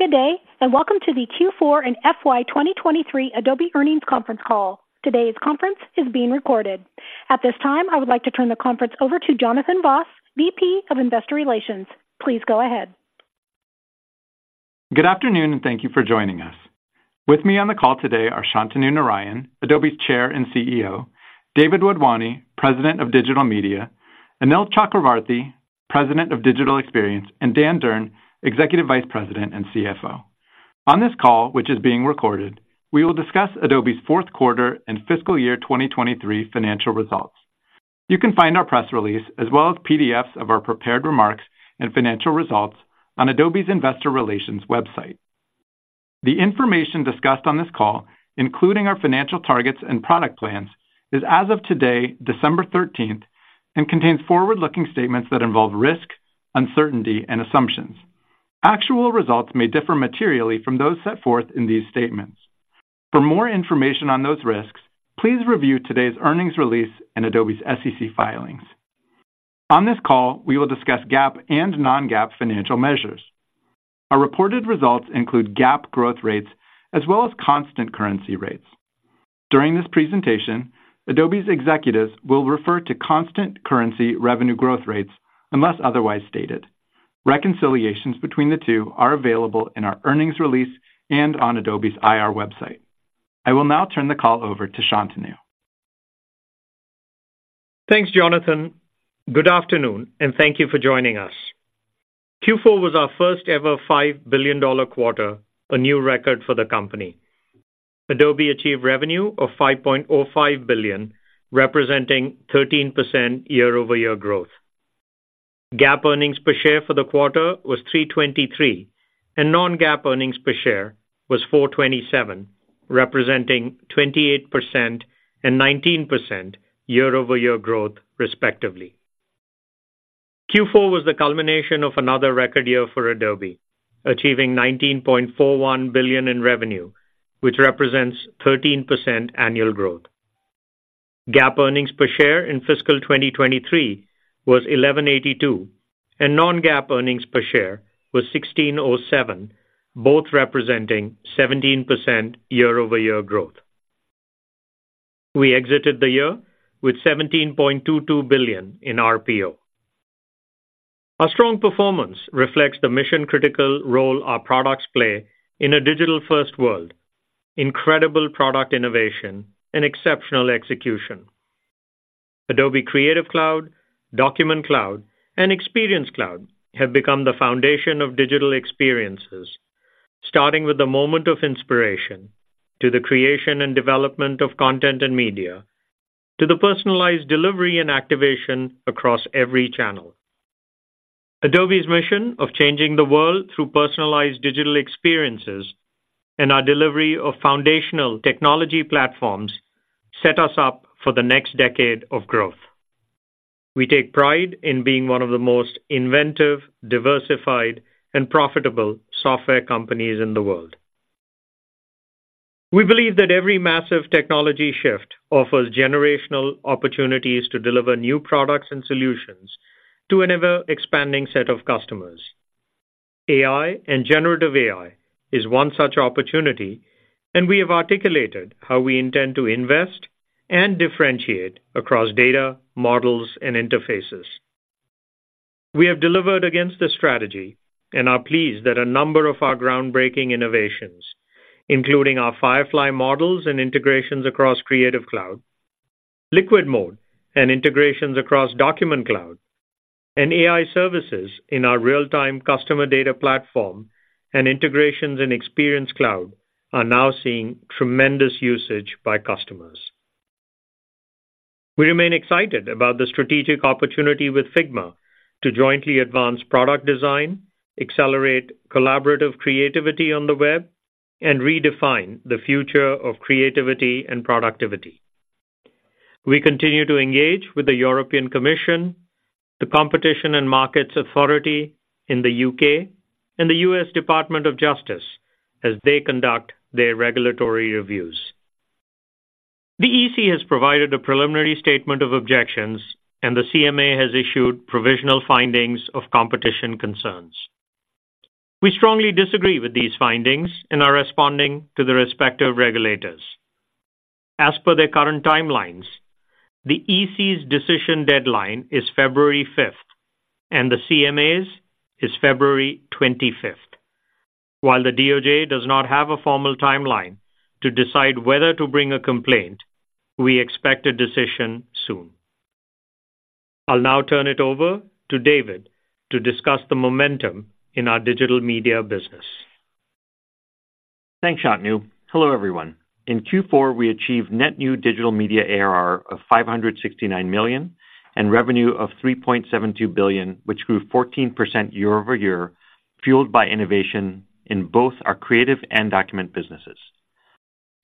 Good day, and welcome to the Q4 and FY 2023 Adobe Earnings Conference Call. Today's conference is being recorded. At this time, I would like to turn the conference over to Jonathan Vaas, VP of Investor Relations. Please go ahead. Good afternoon, and thank you for joining us. With me on the call today are Shantanu Narayen, Adobe's Chair and CEO, David Wadhwani, President of Digital Media, Anil Chakravarthy, President of Digital Experience, and Dan Durn, Executive Vice President and CFO. On this call, which is being recorded, we will discuss Adobe's fourth quarter and fiscal year 2023 financial results. You can find our press release, as well as PDFs of our prepared remarks and financial results on Adobe's Investor Relations website. The information discussed on this call, including our financial targets and product plans, is as of today, December thirteenth, and contains forward-looking statements that involve risk, uncertainty, and assumptions. Actual results may differ materially from those set forth in these statements. For more information on those risks, please review today's earnings release and Adobe's SEC filings. On this call, we will discuss GAAP and non-GAAP financial measures. Our reported results include GAAP growth rates as well as constant currency rates. During this presentation, Adobe's executives will refer to constant currency revenue growth rates unless otherwise stated. Reconciliations between the two are available in our earnings release and on Adobe's IR website. I will now turn the call over to Shantanu. Thanks, Jonathan. Good afternoon, and thank you for joining us. Q4 was our first-ever $5 billion quarter, a new record for the company. Adobe achieved revenue of $5.05 billion, representing 13% year-over-year growth. GAAP earnings per share for the quarter was 3.23, and non-GAAP earnings per share was 4.27, representing 28% and 19% year-over-year growth, respectively. Q4 was the culmination of another record year for Adobe, achieving $19.41 billion in revenue, which represents 13% annual growth. GAAP earnings per share in fiscal 2023 was 11.82, and non-GAAP earnings per share was 16.07, both representing 17% year-over-year growth. We exited the year with $17.22 billion in RPO. Our strong performance reflects the mission-critical role our products play in a digital-first world, incredible product innovation, and exceptional execution. Adobe Creative Cloud, Document Cloud, and Experience Cloud have become the foundation of digital experiences, starting with the moment of inspiration, to the creation and development of content and media, to the personalized delivery and activation across every channel. Adobe's mission of changing the world through personalized digital experiences and our delivery of foundational technology platforms set us up for the next decade of growth. We take pride in being one of the most inventive, diversified, and profitable software companies in the world. We believe that every massive technology shift offers generational opportunities to deliver new products and solutions to an ever-expanding set of customers. AI and generative AI is one such opportunity, and we have articulated how we intend to invest and differentiate across data, models, and interfaces. We have delivered against the strategy and are pleased that a number of our groundbreaking innovations, including our Firefly models and integrations across Creative Cloud, Liquid Mode, and integrations across Document Cloud, and AI services in our Real-Time Customer Data Platform, and integrations in Experience Cloud, are now seeing tremendous usage by customers. We remain excited about the strategic opportunity with Figma to jointly advance product design, accelerate collaborative creativity on the web, and redefine the future of creativity and productivity. We continue to engage with the European Commission, the Competition and Markets Authority in the U.K., and the U.S. Department of Justice as they conduct their regulatory reviews. The EC has provided a preliminary statement of objections, and the CMA has issued provisional findings of competition concerns. We strongly disagree with these findings and are responding to the respective regulators. As per their current timelines, the EC's decision deadline is February fifth, and the CMA's is February twenty-fifth. While the DOJ does not have a formal timeline to decide whether to bring a complaint, we expect a decision soon. I'll now turn it over to David to discuss the momentum in our digital media business. Thanks, Shantanu. Hello, everyone. In Q4, we achieved net new digital media ARR of $569 million, and revenue of $3.72 billion, which grew 14% year-over-year, fueled by innovation in both our creative and document businesses.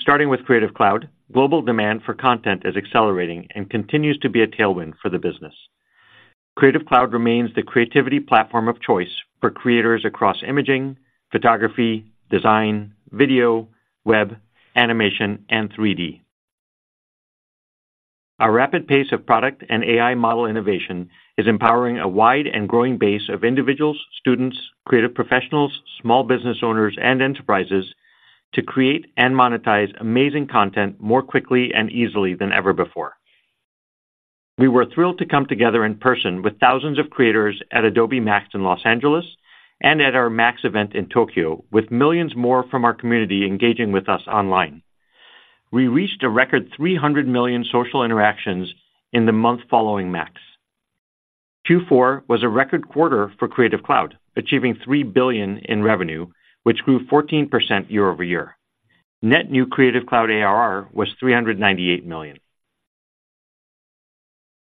Starting with Creative Cloud, global demand for content is accelerating and continues to be a tailwind for the business. Creative Cloud remains the creativity platform of choice for creators across imaging, photography, design, video, web, animation, and 3D. Our rapid pace of product and AI model innovation is empowering a wide and growing base of individuals, students, creative professionals, small business owners, and enterprises to create and monetize amazing content more quickly and easily than ever before. We were thrilled to come together in person with thousands of creators at Adobe MAX in Los Angeles and at our MAX event in Tokyo, with millions more from our community engaging with us online. We reached a record 300 million social interactions in the month following MAX. Q4 was a record quarter for Creative Cloud, achieving $3 billion in revenue, which grew 14% year-over-year. Net new Creative Cloud ARR was $398 million.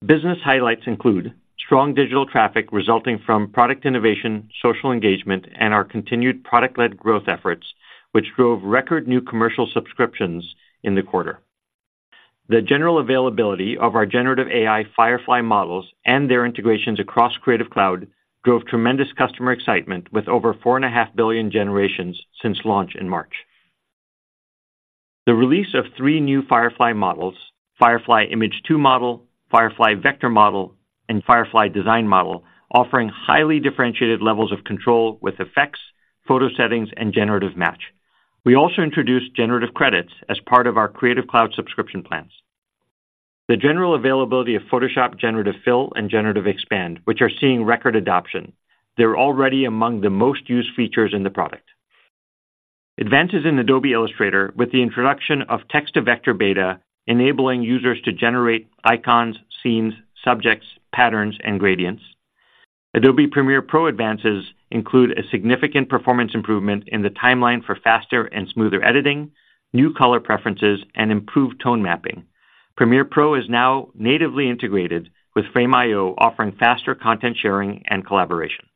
Business highlights include strong digital traffic resulting from product innovation, social engagement, and our continued product-led growth efforts, which drove record new commercial subscriptions in the quarter. The general availability of our generative AI Firefly models and their integrations across Creative Cloud drove tremendous customer excitement, with over 4.5 billion generations since launch in March. The release of three new Firefly models, Firefly Image 2 Model, Firefly Vector Model, and Firefly Design Model, offering highly differentiated levels of control with effects, photo settings, and Generative Match. We also introduced Generative Credits as part of our Creative Cloud subscription plans. The general availability of Photoshop Generative Fill, and Generative Expand, which are seeing record adoption. They're already among the most used features in the product. Advances in Adobe Illustrator, with the introduction of Text to Vector beta, enabling users to generate icons, scenes, subjects, patterns, and gradients. Adobe Premiere Pro advances include a significant performance improvement in the timeline for faster and smoother editing, new color preferences, and improved tone mapping. Premiere Pro is now natively integrated with Frame.io, offering faster content sharing and collaboration.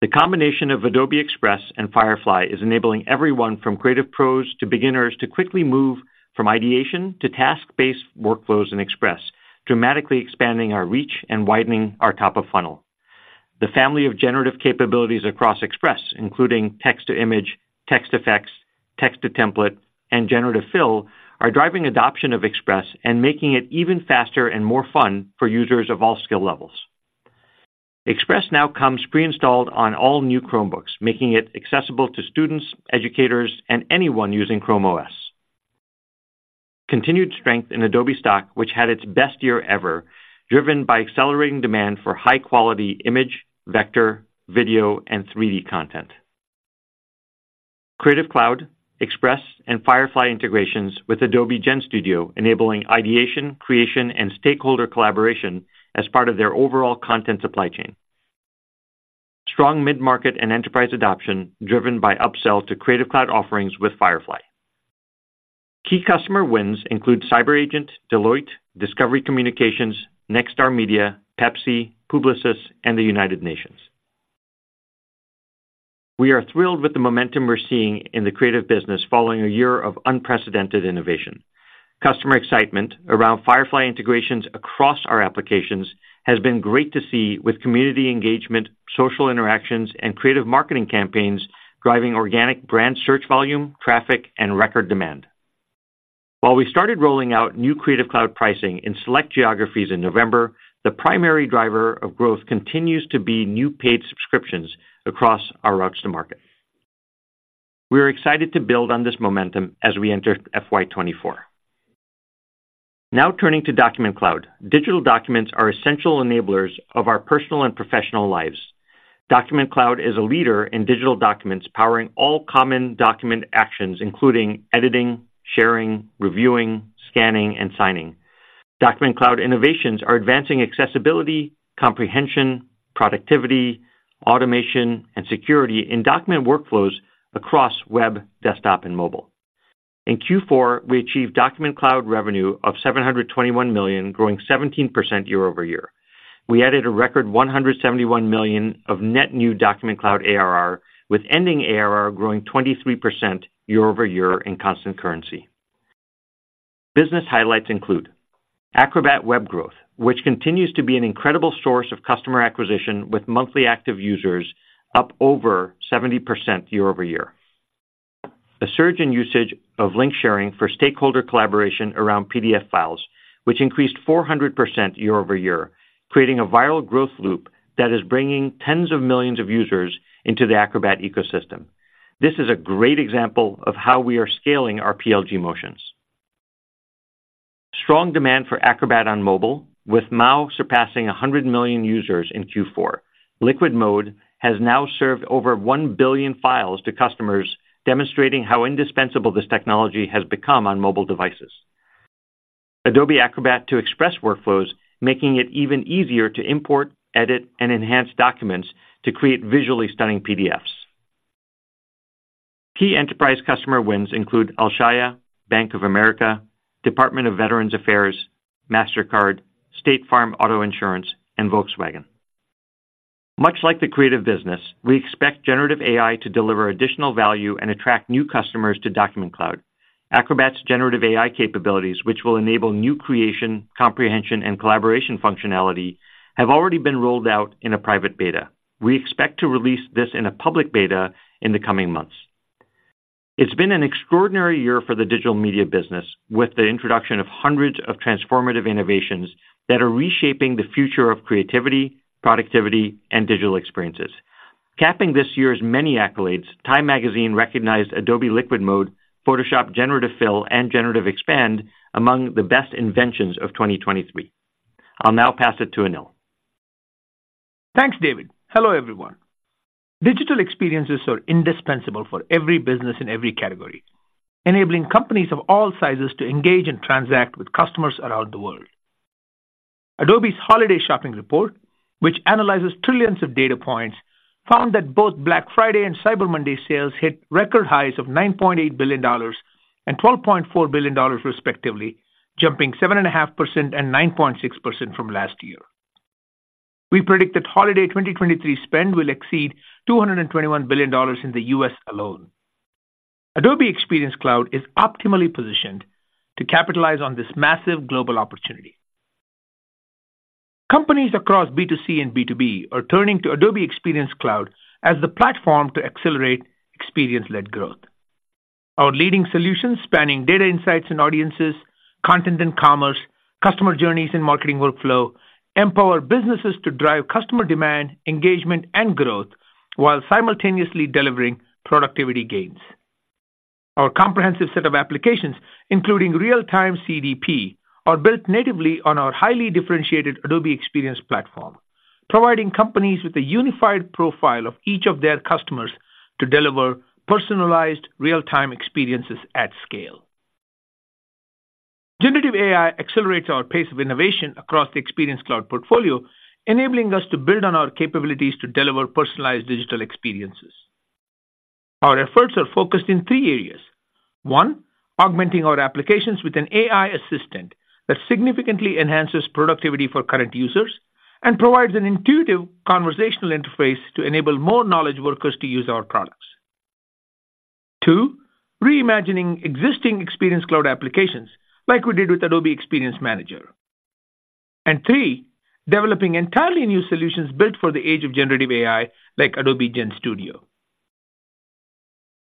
The combination of Adobe Express and Firefly is enabling everyone from creative pros to beginners to quickly move from ideation to task-based workflows in Express, dramatically expanding our reach and widening our top of funnel. The family of generative capabilities across Express, including Text to Image, Text Effects, Text to Template, and Generative Fill, are driving adoption of Express and making it even faster and more fun for users of all skill levels. Express now comes pre-installed on all new Chromebooks, making it accessible to students, educators, and anyone using Chrome OS. Continued strength in Adobe Stock, which had its best year ever, driven by accelerating demand for high-quality image, vector, video, and 3D content. Creative Cloud, Express, and Firefly integrations with Adobe GenStudio, enabling ideation, creation, and stakeholder collaboration as part of their overall content supply chain. Strong mid-market and enterprise adoption, driven by upsell to Creative Cloud offerings with Firefly. Key customer wins include CyberAgent, Deloitte, Discovery Communications, Nexstar Media, Pepsi, Publicis, and the United Nations. We are thrilled with the momentum we're seeing in the creative business following a year of unprecedented innovation. Customer excitement around Firefly integrations across our applications has been great to see, with community engagement, social interactions, and creative marketing campaigns driving organic brand search, volume, traffic, and record demand. While we started rolling out new Creative Cloud pricing in select geographies in November, the primary driver of growth continues to be new paid subscriptions across our routes to market. We are excited to build on this momentum as we enter FY 2024. Now, turning to Document Cloud. Digital documents are essential enablers of our personal and professional lives. Document Cloud is a leader in digital documents, powering all common document actions, including editing, sharing, reviewing, scanning, and signing. Document Cloud innovations are advancing accessibility, comprehension, productivity, automation, and security in document workflows across web, desktop, and mobile. In Q4, we achieved Document Cloud revenue of $721 million, growing 17% year-over-year. We added a record $171 million of net new Document Cloud ARR, with ending ARR growing 23% year-over-year in constant currency. Business highlights include Acrobat Web growth, which continues to be an incredible source of customer acquisition, with monthly active users up over 70% year-over-year. A surge in usage of link sharing for stakeholder collaboration around PDF files, which increased 400% year-over-year, creating a viral growth loop that is bringing tens of millions of users into the Acrobat ecosystem. This is a great example of how we are scaling our PLG motions. Strong demand for Acrobat on mobile, with MAU surpassing 100 million users in Q4. Liquid Mode has now served over 1 billion files to customers, demonstrating how indispensable this technology has become on mobile devices. Adobe Acrobat to Express workflows, making it even easier to import, edit, and enhance documents to create visually stunning PDFs. Key enterprise customer wins include Alshaya, Bank of America, Department of Veterans Affairs, Mastercard, State Farm Auto Insurance, and Volkswagen. Much like the creative business, we expect generative AI to deliver additional value and attract new customers to Document Cloud. Acrobat's generative AI capabilities, which will enable new creation, comprehension, and collaboration functionality, have already been rolled out in a private beta. We expect to release this in a public beta in the coming months. It's been an extraordinary year for the digital media business, with the introduction of hundreds of transformative innovations that are reshaping the future of creativity, productivity, and digital experiences. Capping this year's many accolades, Time Magazine recognized Adobe Liquid Mode, Photoshop Generative Fill, and Generative Expand among the best inventions of 2023. I'll now pass it to Anil. Thanks, David. Hello, everyone. Digital experiences are indispensable for every business in every category, enabling companies of all sizes to engage and transact with customers around the world. Adobe's holiday shopping report, which analyzes trillions of data points, found that both Black Friday and Cyber Monday sales hit record highs of $9.8 billion and $12.4 billion respectively, jumping 7.5% and 9.6% from last year. We predict that holiday 2023 spend will exceed $221 billion in the U.S. alone. Adobe Experience Cloud is optimally positioned to capitalize on this massive global opportunity. Companies across B2C and B2B are turning to Adobe Experience Cloud as the platform to accelerate experience-led growth. Our leading solutions, spanning data insights and audiences, content and commerce, customer journeys, and marketing workflow, empower businesses to drive customer demand, engagement, and growth while simultaneously delivering productivity gains. Our comprehensive set of applications, including Real-Time CDP, are built natively on our highly differentiated Adobe Experience Platform, providing companies with a unified profile of each of their customers to deliver personalized real-time experiences at scale. Generative AI accelerates our pace of innovation across the Experience Cloud portfolio, enabling us to build on our capabilities to deliver personalized digital experiences. Our efforts are focused in three areas. One, augmenting our applications with an AI assistant that significantly enhances productivity for current users and provides an intuitive conversational interface to enable more knowledge workers to use our products. Two, reimagining existing Experience Cloud applications, like we did with Adobe Experience Manager. And three, developing entirely new solutions built for the age of Generative AI, like Adobe GenStudio.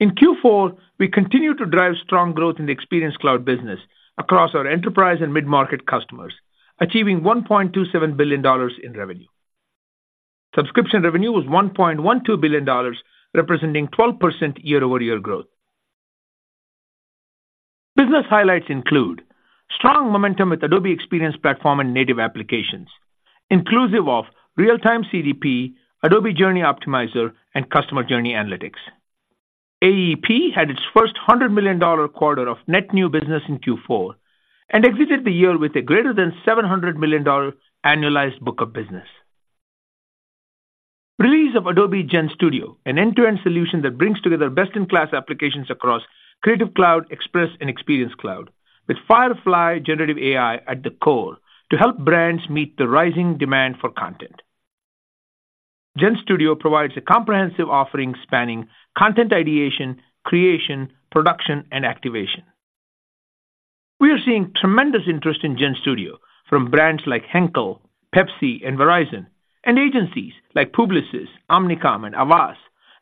In Q4, we continue to drive strong growth in the Experience Cloud business across our enterprise and mid-market customers, achieving $1.27 billion in revenue. Subscription revenue was $1.12 billion, representing 12% year-over-year growth. Business highlights include strong momentum with Adobe Experience Platform and native applications, inclusive of Real-Time CDP, Adobe Journey Optimizer, and Customer Journey Analytics. AEP had its first $100 million quarter of net new business in Q4 and exited the year with a greater than $700 million annualized book of business. Release of Adobe GenStudio, an end-to-end solution that brings together best-in-class applications across Creative Cloud, Express, and Experience Cloud, with Firefly generative AI at the core to help brands meet the rising demand for content. GenStudio provides a comprehensive offering spanning content ideation, creation, production, and activation. We are seeing tremendous interest in GenStudio from brands like Henkel, Pepsi, and Verizon, and agencies like Publicis, Omnicom, and Havas,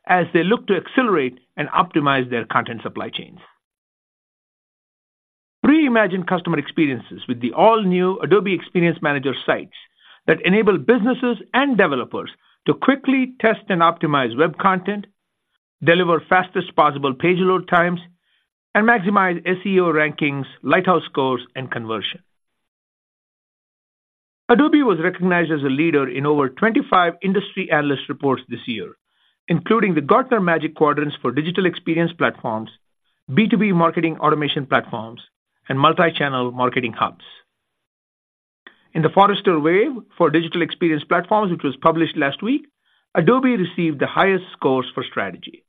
as they look to accelerate and optimize their content supply chains. Reimagine customer experiences with the all-new Adobe Experience Manager Sites that enable businesses and developers to quickly test and optimize web content, deliver fastest possible page load times, and maximize SEO rankings, Lighthouse scores, and conversion. Adobe was recognized as a leader in over 25 industry analyst reports this year, including the Gartner Magic Quadrants for Digital Experience Platforms, B2B Marketing Automation Platforms, and Multichannel Marketing Hubs. In the Forrester Wave for Digital Experience Platforms, which was published last week, Adobe received the highest scores for strategy.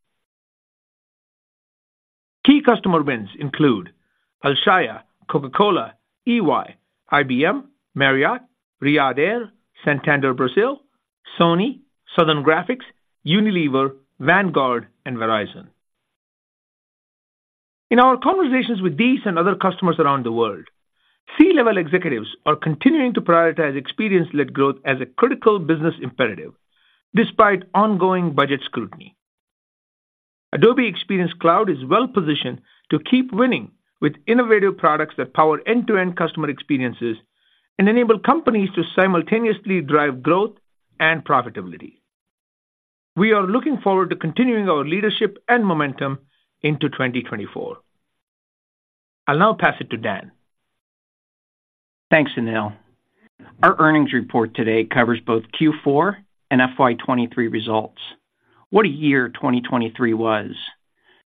Key customer wins include Alshaya, Coca-Cola, EY, IBM, Marriott, Riyadh Air, Santander Brazil, Sony, Southern Graphics, Unilever, Vanguard, and Verizon. In our conversations with these and other customers around the world, C-level executives are continuing to prioritize experience-led growth as a critical business imperative, despite ongoing budget scrutiny. Adobe Experience Cloud is well positioned to keep winning with innovative products that power end-to-end customer experiences and enable companies to simultaneously drive growth and profitability. We are looking forward to continuing our leadership and momentum into 2024. I'll now pass it to Dan. Thanks, Anil. Our earnings report today covers both Q4 and FY 2023 results. What a year 2023 was!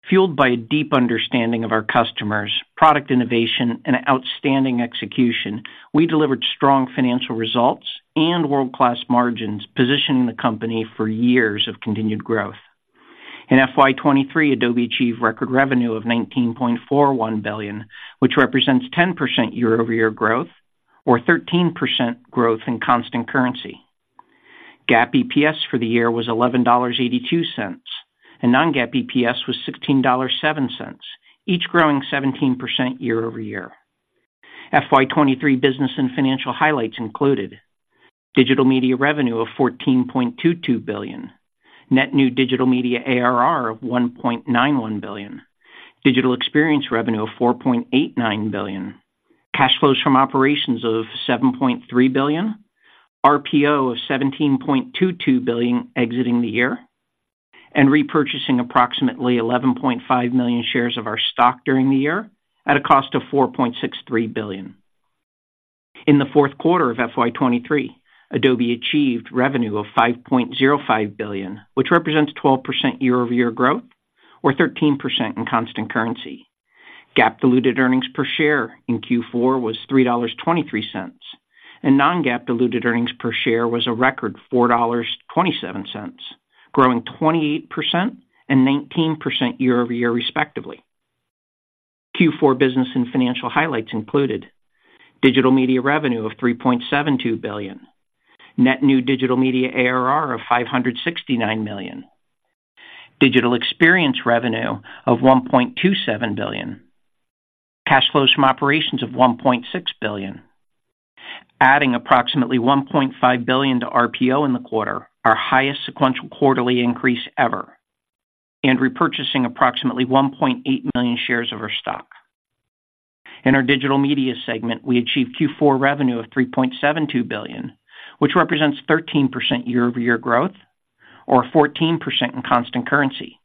Fueled by a deep understanding of our customers, product innovation, and outstanding execution, we delivered strong financial results and world-class margins, positioning the company for years of continued growth. In FY 2023, Adobe achieved record revenue of $19.41 billion, which represents 10% year-over-year growth or 13% growth in constant currency. GAAP EPS for the year was $11.82, and non-GAAP EPS was $16.07, each growing 17% year-over-year. FY 2023 business and financial highlights included: Digital media revenue of $14.22 billion, net new digital media ARR of $1.91 billion, digital experience revenue of $4.89 billion, cash flows from operations of $7.3 billion, RPO of $17.22 billion exiting the year, and repurchasing approximately 11.5 million shares of our stock during the year at a cost of $4.63 billion. In the fourth quarter of FY 2023, Adobe achieved revenue of $5.05 billion, which represents 12% year-over-year growth, or 13% in constant currency. GAAP diluted earnings per share in Q4 was $3.23, and non-GAAP diluted earnings per share was a record $4.27, growing 28% and 19% year-over-year, respectively. Q4 business and financial highlights included: Digital media revenue of $3.72 billion, net new digital media ARR of $569 million, digital experience revenue of $1.27 billion, cash flows from operations of $1.6 billion, adding approximately $1.5 billion to RPO in the quarter, our highest sequential quarterly increase ever, and repurchasing approximately 1.8 million shares of our stock. In our digital media segment, we achieved Q4 revenue of $3.72 billion, which represents 13% year-over-year growth or 14% in constant currency.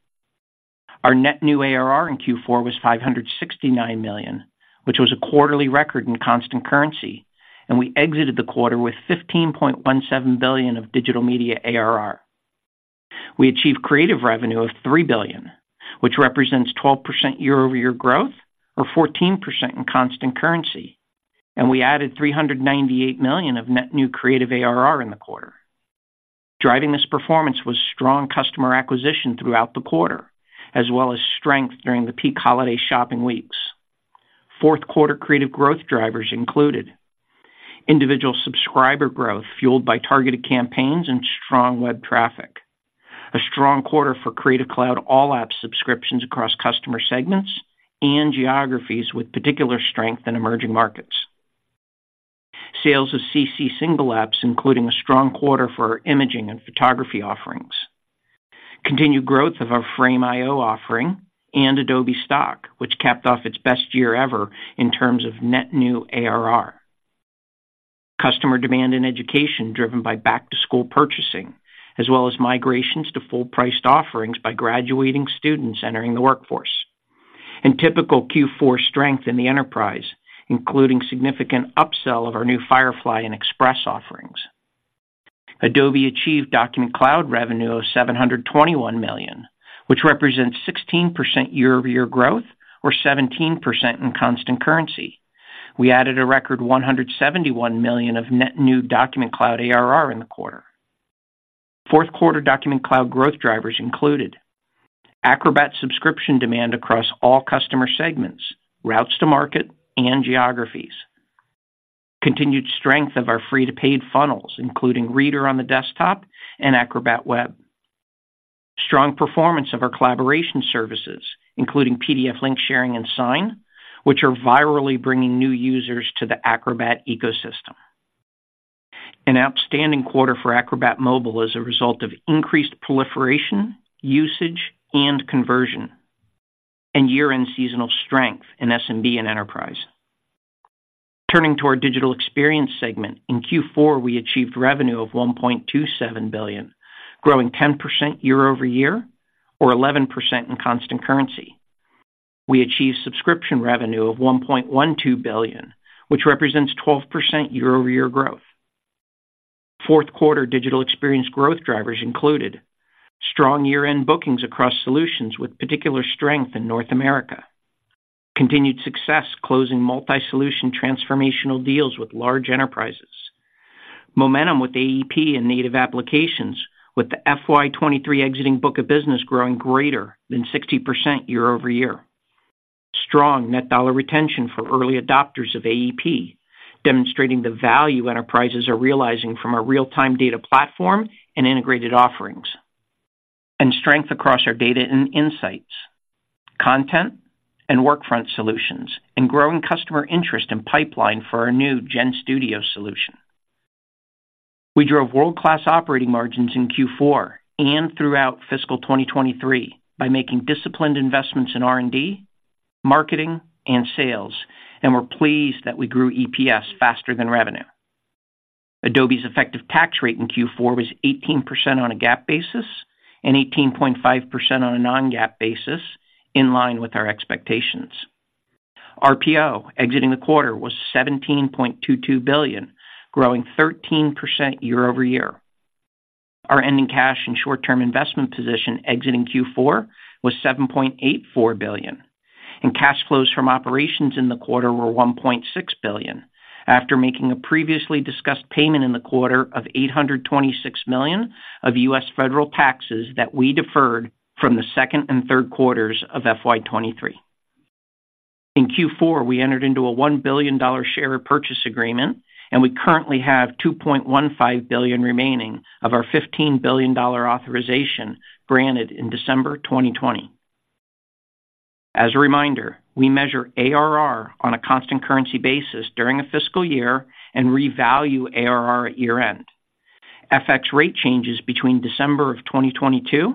Our net new ARR in Q4 was $569 million, which was a quarterly record in constant currency, and we exited the quarter with $15.17 billion of digital media ARR. We achieved creative revenue of $3 billion, which represents 12% year-over-year growth or 14% in constant currency, and we added $398 million of net new creative ARR in the quarter. Driving this performance was strong customer acquisition throughout the quarter, as well as strength during the peak holiday shopping weeks. Fourth quarter creative growth drivers included individual subscriber growth, fueled by targeted campaigns and strong web traffic, a strong quarter for Creative Cloud all-app subscriptions across customer segments and geographies with particular strength in emerging markets. Sales of CC Single Apps, including a strong quarter for our imaging and photography offerings. Continued growth of our Frame.io offering and Adobe Stock, which capped off its best year ever in terms of net new ARR. Customer demand in education, driven by back-to-school purchasing, as well as migrations to full-priced offerings by graduating students entering the workforce. Typical Q4 strength in the enterprise, including significant upsell of our new Firefly and Express offerings. Adobe achieved Document Cloud revenue of $721 million, which represents 16% year-over-year growth or 17% in constant currency. We added a record $171 million of net new Document Cloud ARR in the quarter. Fourth quarter Document Cloud growth drivers included Acrobat subscription demand across all customer segments, routes to market, and geographies. Continued strength of our free-to-paid funnels, including Reader on the desktop and Acrobat Web. Strong performance of our collaboration services, including PDF link sharing and Sign, which are virally bringing new users to the Acrobat ecosystem. An outstanding quarter for Acrobat Mobile as a result of increased proliferation, usage, and conversion, and year-end seasonal strength in SMB and enterprise. Turning to our digital experience segment, in Q4, we achieved revenue of $1.27 billion, growing 10% year-over-year, or 11% in constant currency. We achieved subscription revenue of $1.12 billion, which represents 12% year-over-year growth. Fourth quarter digital experience growth drivers included strong year-end bookings across solutions with particular strength in North America, continued success closing multi-solution transformational deals with large enterprises, momentum with AEP and native applications, with the FY 2023 exiting book of business growing greater than 60% year-over-year. Strong net dollar retention for early adopters of AEP, demonstrating the value enterprises are realizing from our real-time data platform and integrated offerings, and strength across our data and insights, content, and Workfront solutions, and growing customer interest in pipeline for our new GenStudio solution. We drove world-class operating margins in Q4 and throughout fiscal 2023 by making disciplined investments in R&D, marketing, and sales, and we're pleased that we grew EPS faster than revenue. Adobe's effective tax rate in Q4 was 18% on a GAAP basis and 18.5% on a non-GAAP basis, in line with our expectations. RPO exiting the quarter was $17.22 billion, growing 13% year-over-year. Our ending cash and short-term investment position exiting Q4 was $7.84 billion, and cash flows from operations in the quarter were $1.6 billion, after making a previously discussed payment in the quarter of $826 million of US federal taxes that we deferred from the second and third quarters of FY 2023. In Q4, we entered into a $1 billion share repurchase agreement, and we currently have $2.15 billion remaining of our $15 billion authorization granted in December 2020.... As a reminder, we measure ARR on a constant currency basis during a fiscal year and revalue ARR at year-end. FX rate changes between December of 2022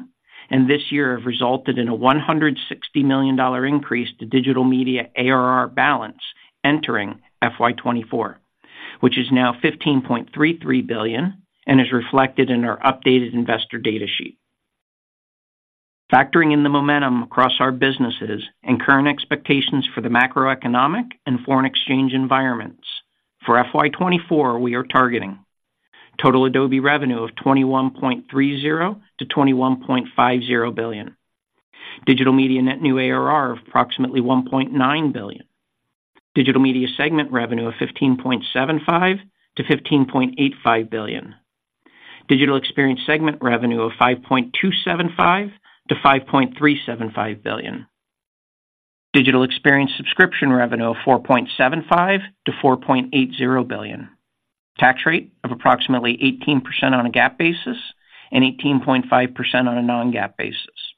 and this year have resulted in a $160 million increase to Digital Media ARR balance entering FY 2024, which is now $15.33 billion and is reflected in our updated investor data sheet. Factoring in the momentum across our businesses and current expectations for the macroeconomic and foreign exchange environments, for FY 2024, we are targeting: total Adobe revenue of $21.30-$21.50 billion, Digital Media net new ARR of approximately $1.9 billion, Digital Media segment revenue of $15.75-$15.85 billion, Digital Experience segment revenue of $5.275-$5.375 billion, Digital Experience subscription revenue of $4.75-$4.80 billion, tax rate of approximately 18% on a GAAP basis and 18.5% on a non-GAAP basis,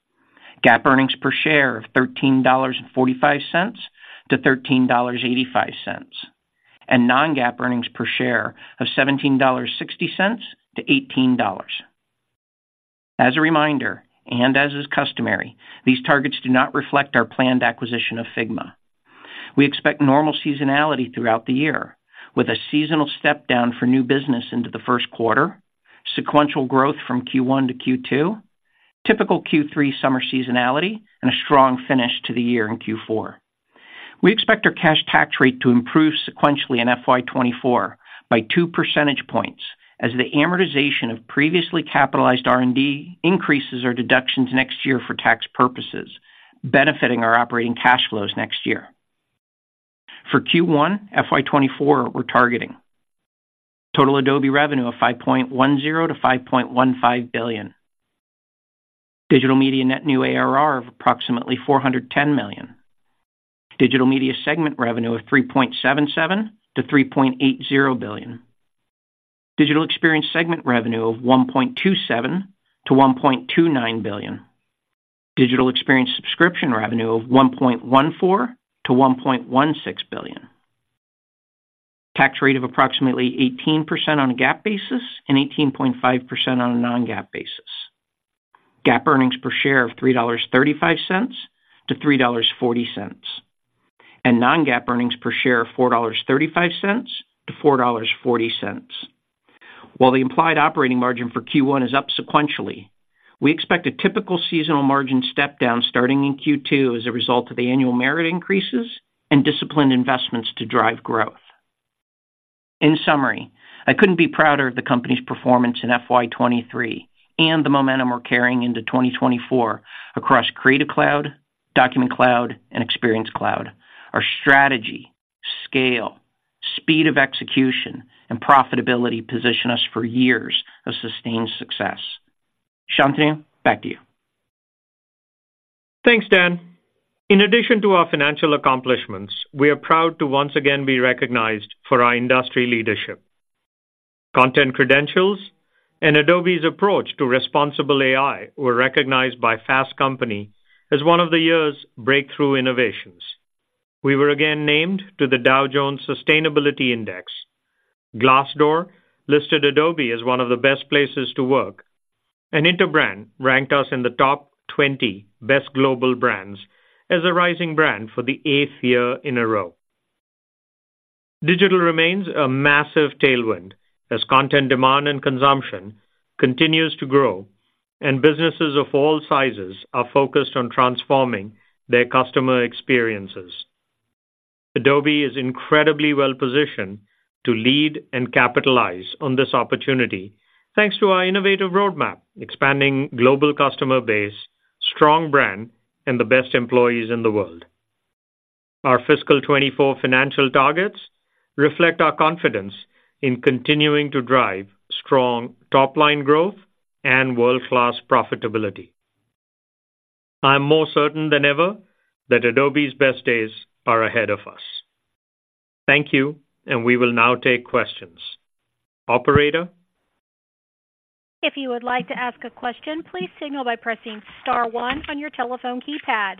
GAAP earnings per share of $13.45-$13.85, and non-GAAP earnings per share of $17.60-$18. As a reminder, and as is customary, these targets do not reflect our planned acquisition of Figma. We expect normal seasonality throughout the year, with a seasonal step down for new business into the first quarter, sequential growth from Q1 to Q2, typical Q3 summer seasonality, and a strong finish to the year in Q4. We expect our cash tax rate to improve sequentially in FY 2024 by 2 percentage points, as the amortization of previously capitalized R&D increases our deductions next year for tax purposes, benefiting our operating cash flows next year. For Q1 FY 2024, we're targeting total Adobe revenue of $5.10-$5.15 billion, Digital Media net new ARR of approximately $410 million, Digital Media segment revenue of $3.77-$3.80 billion, Digital Experience segment revenue of $1.27-$1.29 billion, Digital Experience subscription revenue of $1.14-$1.16 billion, tax rate of approximately 18% on a GAAP basis and 18.5% on a non-GAAP basis, GAAP earnings per share of $3.35-$3.40, and non-GAAP earnings per share of $4.35-$4.40. While the implied operating margin for Q1 is up sequentially, we expect a typical seasonal margin step down starting in Q2 as a result of the annual merit increases and disciplined investments to drive growth. In summary, I couldn't be prouder of the company's performance in FY 2023 and the momentum we're carrying into 2024 across Creative Cloud, Document Cloud, and Experience Cloud. Our strategy, scale, speed of execution, and profitability position us for years of sustained success. Shantanu, back to you. Thanks, Dan. In addition to our financial accomplishments, we are proud to once again be recognized for our industry leadership. Content Credentials and Adobe's approach to responsible AI were recognized by Fast Company as one of the year's breakthrough innovations. We were again named to the Dow Jones Sustainability Index. Glassdoor listed Adobe as one of the best places to work, and Interbrand ranked us in the top 20 Best Global Brands as a rising brand for the eighth year in a row. Digital remains a massive tailwind as content demand and consumption continues to grow, and businesses of all sizes are focused on transforming their customer experiences. Adobe is incredibly well positioned to lead and capitalize on this opportunity, thanks to our innovative roadmap, expanding global customer base, strong brand, and the best employees in the world. Our fiscal 2024 financial targets reflect our confidence in continuing to drive strong top-line growth and world-class profitability. I'm more certain than ever that Adobe's best days are ahead of us. Thank you, and we will now take questions. Operator? If you would like to ask a question, please signal by pressing star one on your telephone keypad.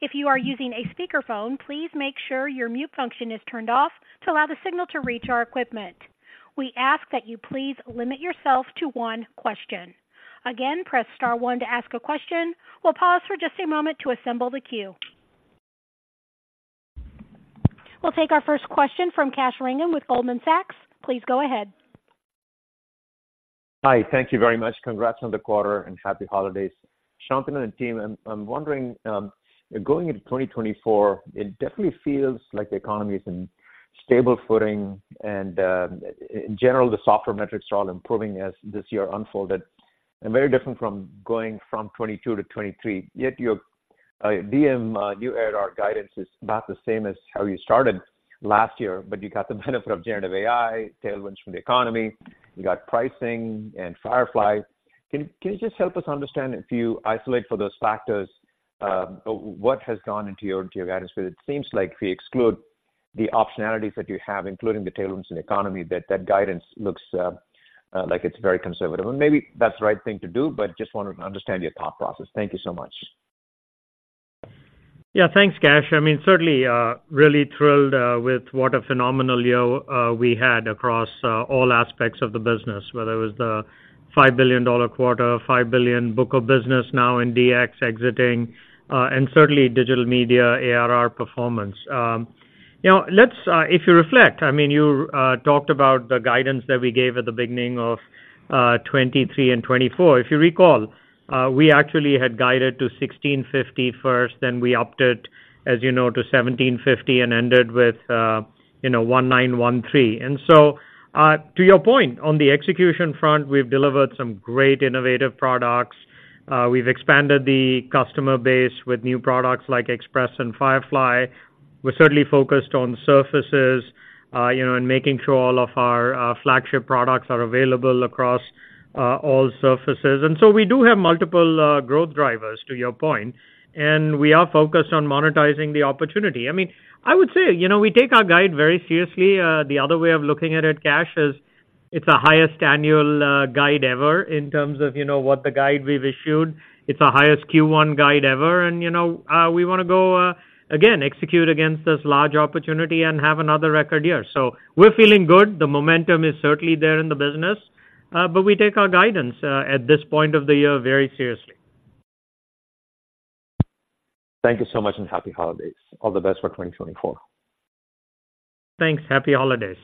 If you are using a speakerphone, please make sure your mute function is turned off to allow the signal to reach our equipment. We ask that you please limit yourself to one question. Again, press star one to ask a question. We'll pause for just a moment to assemble the queue. We'll take our first question from Kash Rangan with Goldman Sachs. Please go ahead. Hi, thank you very much. Congrats on the quarter, and happy holidays. Shantanu and team, I'm wondering, going into 2024, it definitely feels like the economy is in stable footing, and, in general, the software metrics are all improving as this year unfolded and very different from going from 2022 to 2023. Yet your DM new ARR guidance is not the same as how you started last year, but you got the benefit of generative AI, tailwinds from the economy, you got pricing and Firefly. Can you just help us understand, if you isolate for those factors, what has gone into your guidance? Because it seems like if we exclude... The optionalities that you have, including the tailwinds in economy, that guidance looks like it's very conservative, and maybe that's the right thing to do, but just wanted to understand your thought process. Thank you so much. Yeah, thanks, Kash. I mean, certainly, really thrilled with what a phenomenal year we had across all aspects of the business, whether it was the $5 billion quarter, $5 billion book of business now in DX exiting, and certainly digital media, ARR performance. Now, let's—if you reflect, I mean, you talked about the guidance that we gave at the beginning of 2023 and 2024. If you recall, we actually had guided to $16.50 billion first, then we upped it, as you know, to $17.50 billion and ended with, you know, $19.13 billion. And so, to your point, on the execution front, we've delivered some great innovative products. We've expanded the customer base with new products like Express and Firefly. We're certainly focused on surfaces, you know, and making sure all of our flagship products are available across all surfaces. And so we do have multiple growth drivers, to your point, and we are focused on monetizing the opportunity. I mean, I would say, you know, we take our guide very seriously. The other way of looking at it, Kash, is it's the highest annual guide ever in terms of, you know, what the guide we've issued. It's the highest Q1 guide ever, and, you know, we wanna go, again, execute against this large opportunity and have another record year. So we're feeling good. The momentum is certainly there in the business, but we take our guidance, at this point of the year, very seriously. Thank you so much, and happy holidays. All the best for 2024. Thanks. Happy holidays.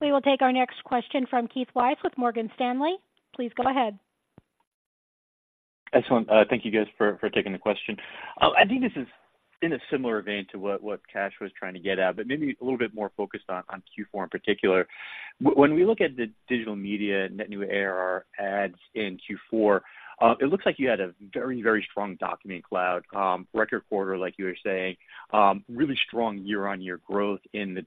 We will take our next question from Keith Weiss with Morgan Stanley. Please go ahead. Excellent. Thank you guys for taking the question. I think this is in a similar vein to what Kash was trying to get at, but maybe a little bit more focused on Q4 in particular. When we look at the digital media net new ARR adds in Q4, it looks like you had a very, very strong Document Cloud record quarter, like you were saying, really strong year-over-year growth in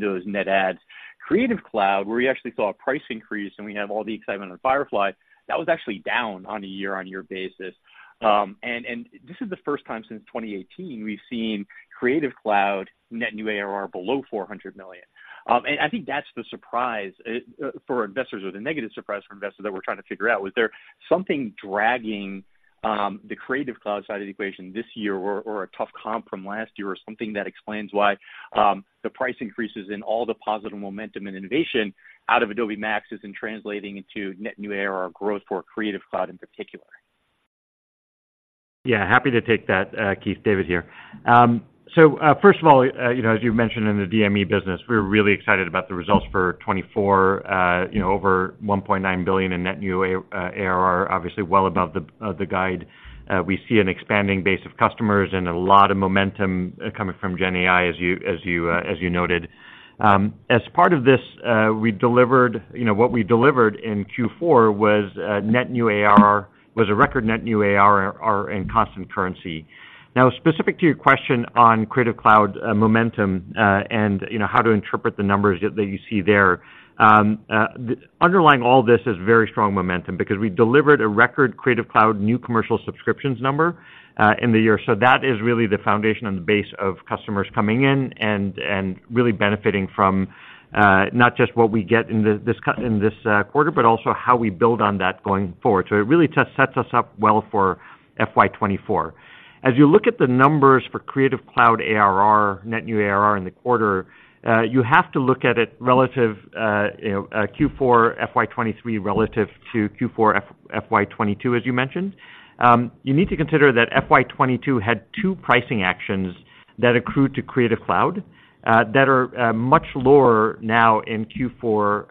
those net adds. Creative Cloud, where we actually saw a price increase and we have all the excitement on Firefly, that was actually down on a year-over-year basis. And this is the first time since 2018 we've seen Creative Cloud net new ARR below $400 million. I think that's the surprise for investors or the negative surprise for investors that we're trying to figure out. Was there something dragging the Creative Cloud side of the equation this year, or a tough comp from last year, or something that explains why the price increases in all the positive momentum and innovation out of Adobe MAX isn't translating into net new ARR growth for Creative Cloud in particular? Yeah, happy to take that, Keith. David here. So, first of all, you know, as you've mentioned in the DME business, we're really excited about the results for 2024, you know, over $1.9 billion in net new ARR, obviously well above the guide. We see an expanding base of customers and a lot of momentum coming from GenAI, as you noted. As part of this, we delivered, you know, what we delivered in Q4 was net new ARR, a record net new ARR in constant currency. Now, specific to your question on Creative Cloud momentum, and you know, how to interpret the numbers that you see there. The underlying all this is very strong momentum, because we delivered a record Creative Cloud new commercial subscriptions number in the year. So that is really the foundation and the base of customers coming in and really benefiting from not just what we get in this quarter, but also how we build on that going forward. So it really just sets us up well for FY 2024. As you look at the numbers for Creative Cloud ARR, net new ARR in the quarter, you have to look at it relative, you know, Q4 FY 2023, relative to Q4 FY 2022, as you mentioned. You need to consider that FY 2022 had two pricing actions that accrued to Creative Cloud that are much lower now in Q4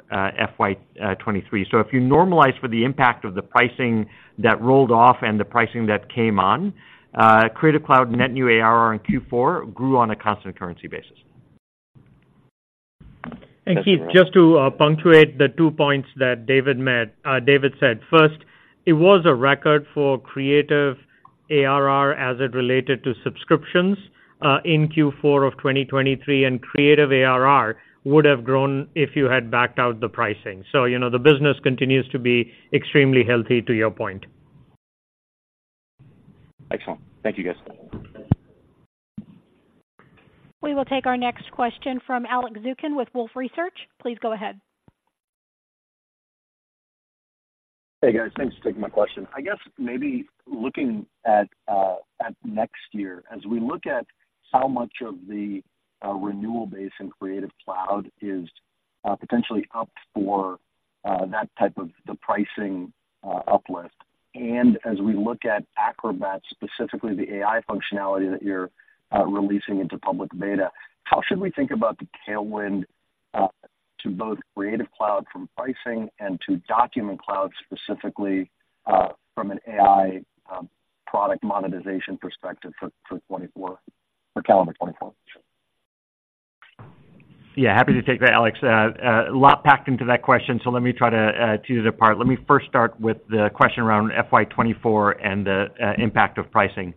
FY 2023. So if you normalize for the impact of the pricing that rolled off and the pricing that came on, Creative Cloud net new ARR in Q4 grew on a constant currency basis. And Keith, just to punctuate the two points that David made. David said, first, it was a record for Creative ARR as it related to subscriptions in Q4 of 2023, and Creative ARR would have grown if you had backed out the pricing. So, you know, the business continues to be extremely healthy, to your point. Excellent. Thank you, guys. We will take our next question from Alex Zukin with Wolfe Research. Please go ahead. Hey, guys, thanks for taking my question. I guess maybe looking at next year, as we look at how much of the renewal base in Creative Cloud is potentially up for that type of the pricing uplift. And as we look at Acrobat, specifically the AI functionality that you're releasing into public beta, how should we think about the tailwind to both Creative Cloud from pricing and to Document Cloud specifically from an AI product monetization perspective for 2024, for calendar 2024? Yeah, happy to take that, Alex. A lot packed into that question, so let me try to tease it apart. Let me first start with the question around FY 2024 and the impact of pricing.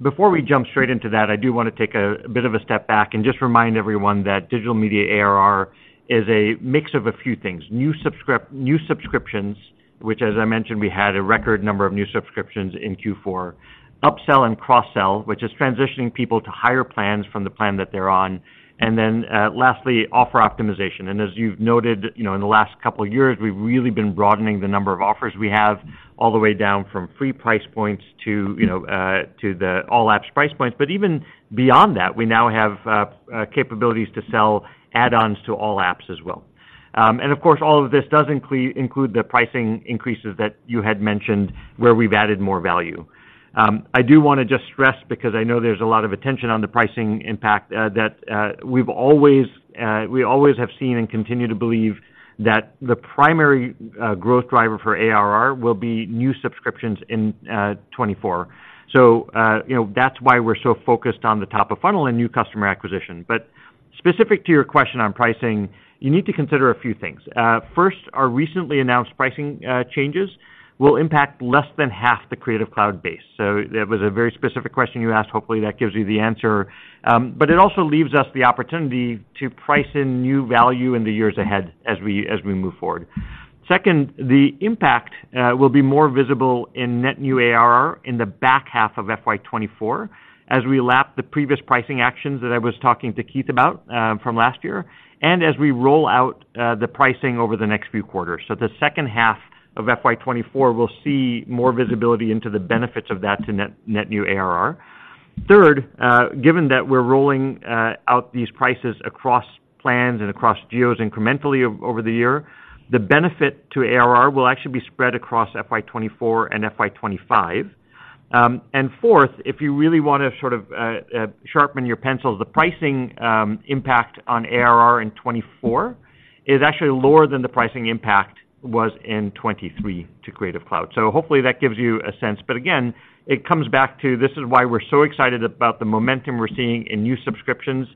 Before we jump straight into that, I do want to take a bit of a step back and just remind everyone that Digital Media ARR is a mix of a few things. New subscript-- new subscriptions, which, as I mentioned, we had a record number of new subscriptions in Q4. Upsell and cross-sell, which is transitioning people to higher plans from the plan that they're on. And then, lastly, offer optimization. As you've noted, you know, in the last couple of years, we've really been broadening the number of offers we have, all the way down from free price points to, you know, to the All Apps price points. But even beyond that, we now have capabilities to sell add-ons to All Apps as well. And of course, all of this does include the pricing increases that you had mentioned, where we've added more value. I do want to just stress, because I know there's a lot of attention on the pricing impact, that we've always seen and continue to believe that the primary growth driver for ARR will be new subscriptions in 2024. So you know, that's why we're so focused on the top of funnel and new customer acquisition. But specific to your question on pricing, you need to consider a few things. First, our recently announced pricing changes will impact less than half the Creative Cloud base. So that was a very specific question you asked. Hopefully, that gives you the answer. But it also leaves us the opportunity to price in new value in the years ahead as we move forward. Second, the impact will be more visible in net new ARR in the back half of FY 2024, as we lap the previous pricing actions that I was talking to Keith about from last year, and as we roll out the pricing over the next few quarters. So the second half of FY 2024, we'll see more visibility into the benefits of that to net new ARR. Third, given that we're rolling out these prices across plans and across geos incrementally over the year, the benefit to ARR will actually be spread across FY 2024 and FY 2025. And fourth, if you really want to sort of sharpen your pencils, the pricing impact on ARR in 2024 is actually lower than the pricing impact was in 2023 to Creative Cloud. So hopefully that gives you a sense. But again, it comes back to this is why we're so excited about the momentum we're seeing in new subscriptions,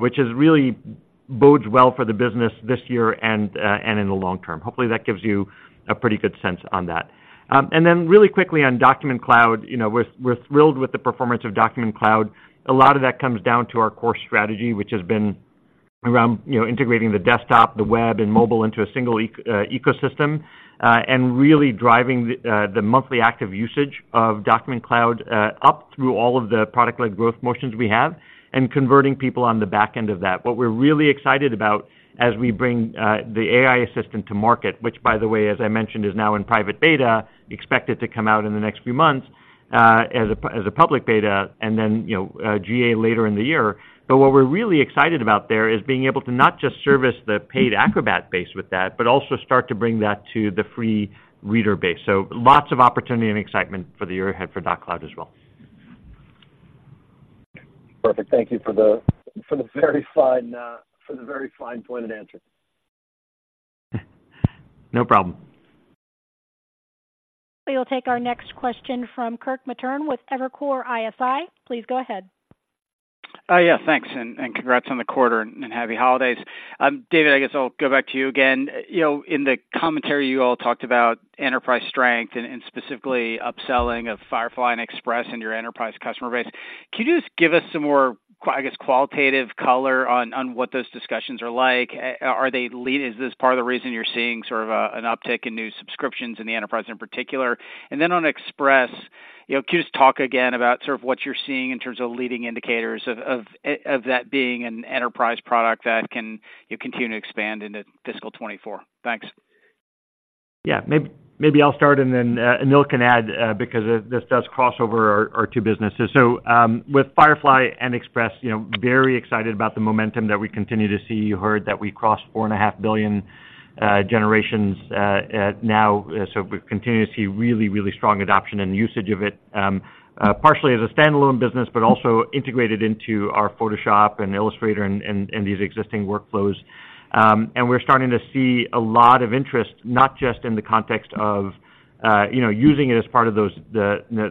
which is really bodes well for the business this year and in the long term. Hopefully, that gives you a pretty good sense on that. And then really quickly on Document Cloud, you know, we're thrilled with the performance of Document Cloud. A lot of that comes down to our core strategy, which has been around, you know, integrating the desktop, the web, and mobile into a single ecosystem, and really driving the monthly active usage of Document Cloud up through all of the product-led growth motions we have, and converting people on the back end of that. What we're really excited about as we bring the AI assistant to market, which, by the way, as I mentioned, is now in private beta, expected to come out in the next few months as a public beta, and then, you know, GA later in the year. But what we're really excited about there is being able to not just service the paid Acrobat base with that, but also start to bring that to the free reader base. Lots of opportunity and excitement for the year ahead for Document Cloud as well. Perfect. Thank you for the very fine pointed answer. No problem. We will take our next question from Kirk Materne with Evercore ISI. Please go ahead. Yeah, thanks, and congrats on the quarter, and happy holidays. David, I guess I'll go back to you again. You know, in the commentary, you all talked about enterprise strength and specifically upselling of Firefly and Express in your enterprise customer base. Can you just give us some more, I guess, qualitative color on what those discussions are like? Are they? Is this part of the reason you're seeing sort of an uptick in new subscriptions in the enterprise in particular? And then on Express, you know, can you just talk again about sort of what you're seeing in terms of leading indicators of that being an enterprise product that you can continue to expand into fiscal 2024? Thanks. Yeah. Maybe I'll start, and then Anil can add, because this does cross over our two businesses. So, with Firefly and Express, you know, very excited about the momentum that we continue to see. You heard that we crossed 4.5 billion generations now. So we continue to see really, really strong adoption and usage of it, partially as a standalone business, but also integrated into our Photoshop and Illustrator and these existing workflows. And we're starting to see a lot of interest, not just in the context of, you know, using it as part of those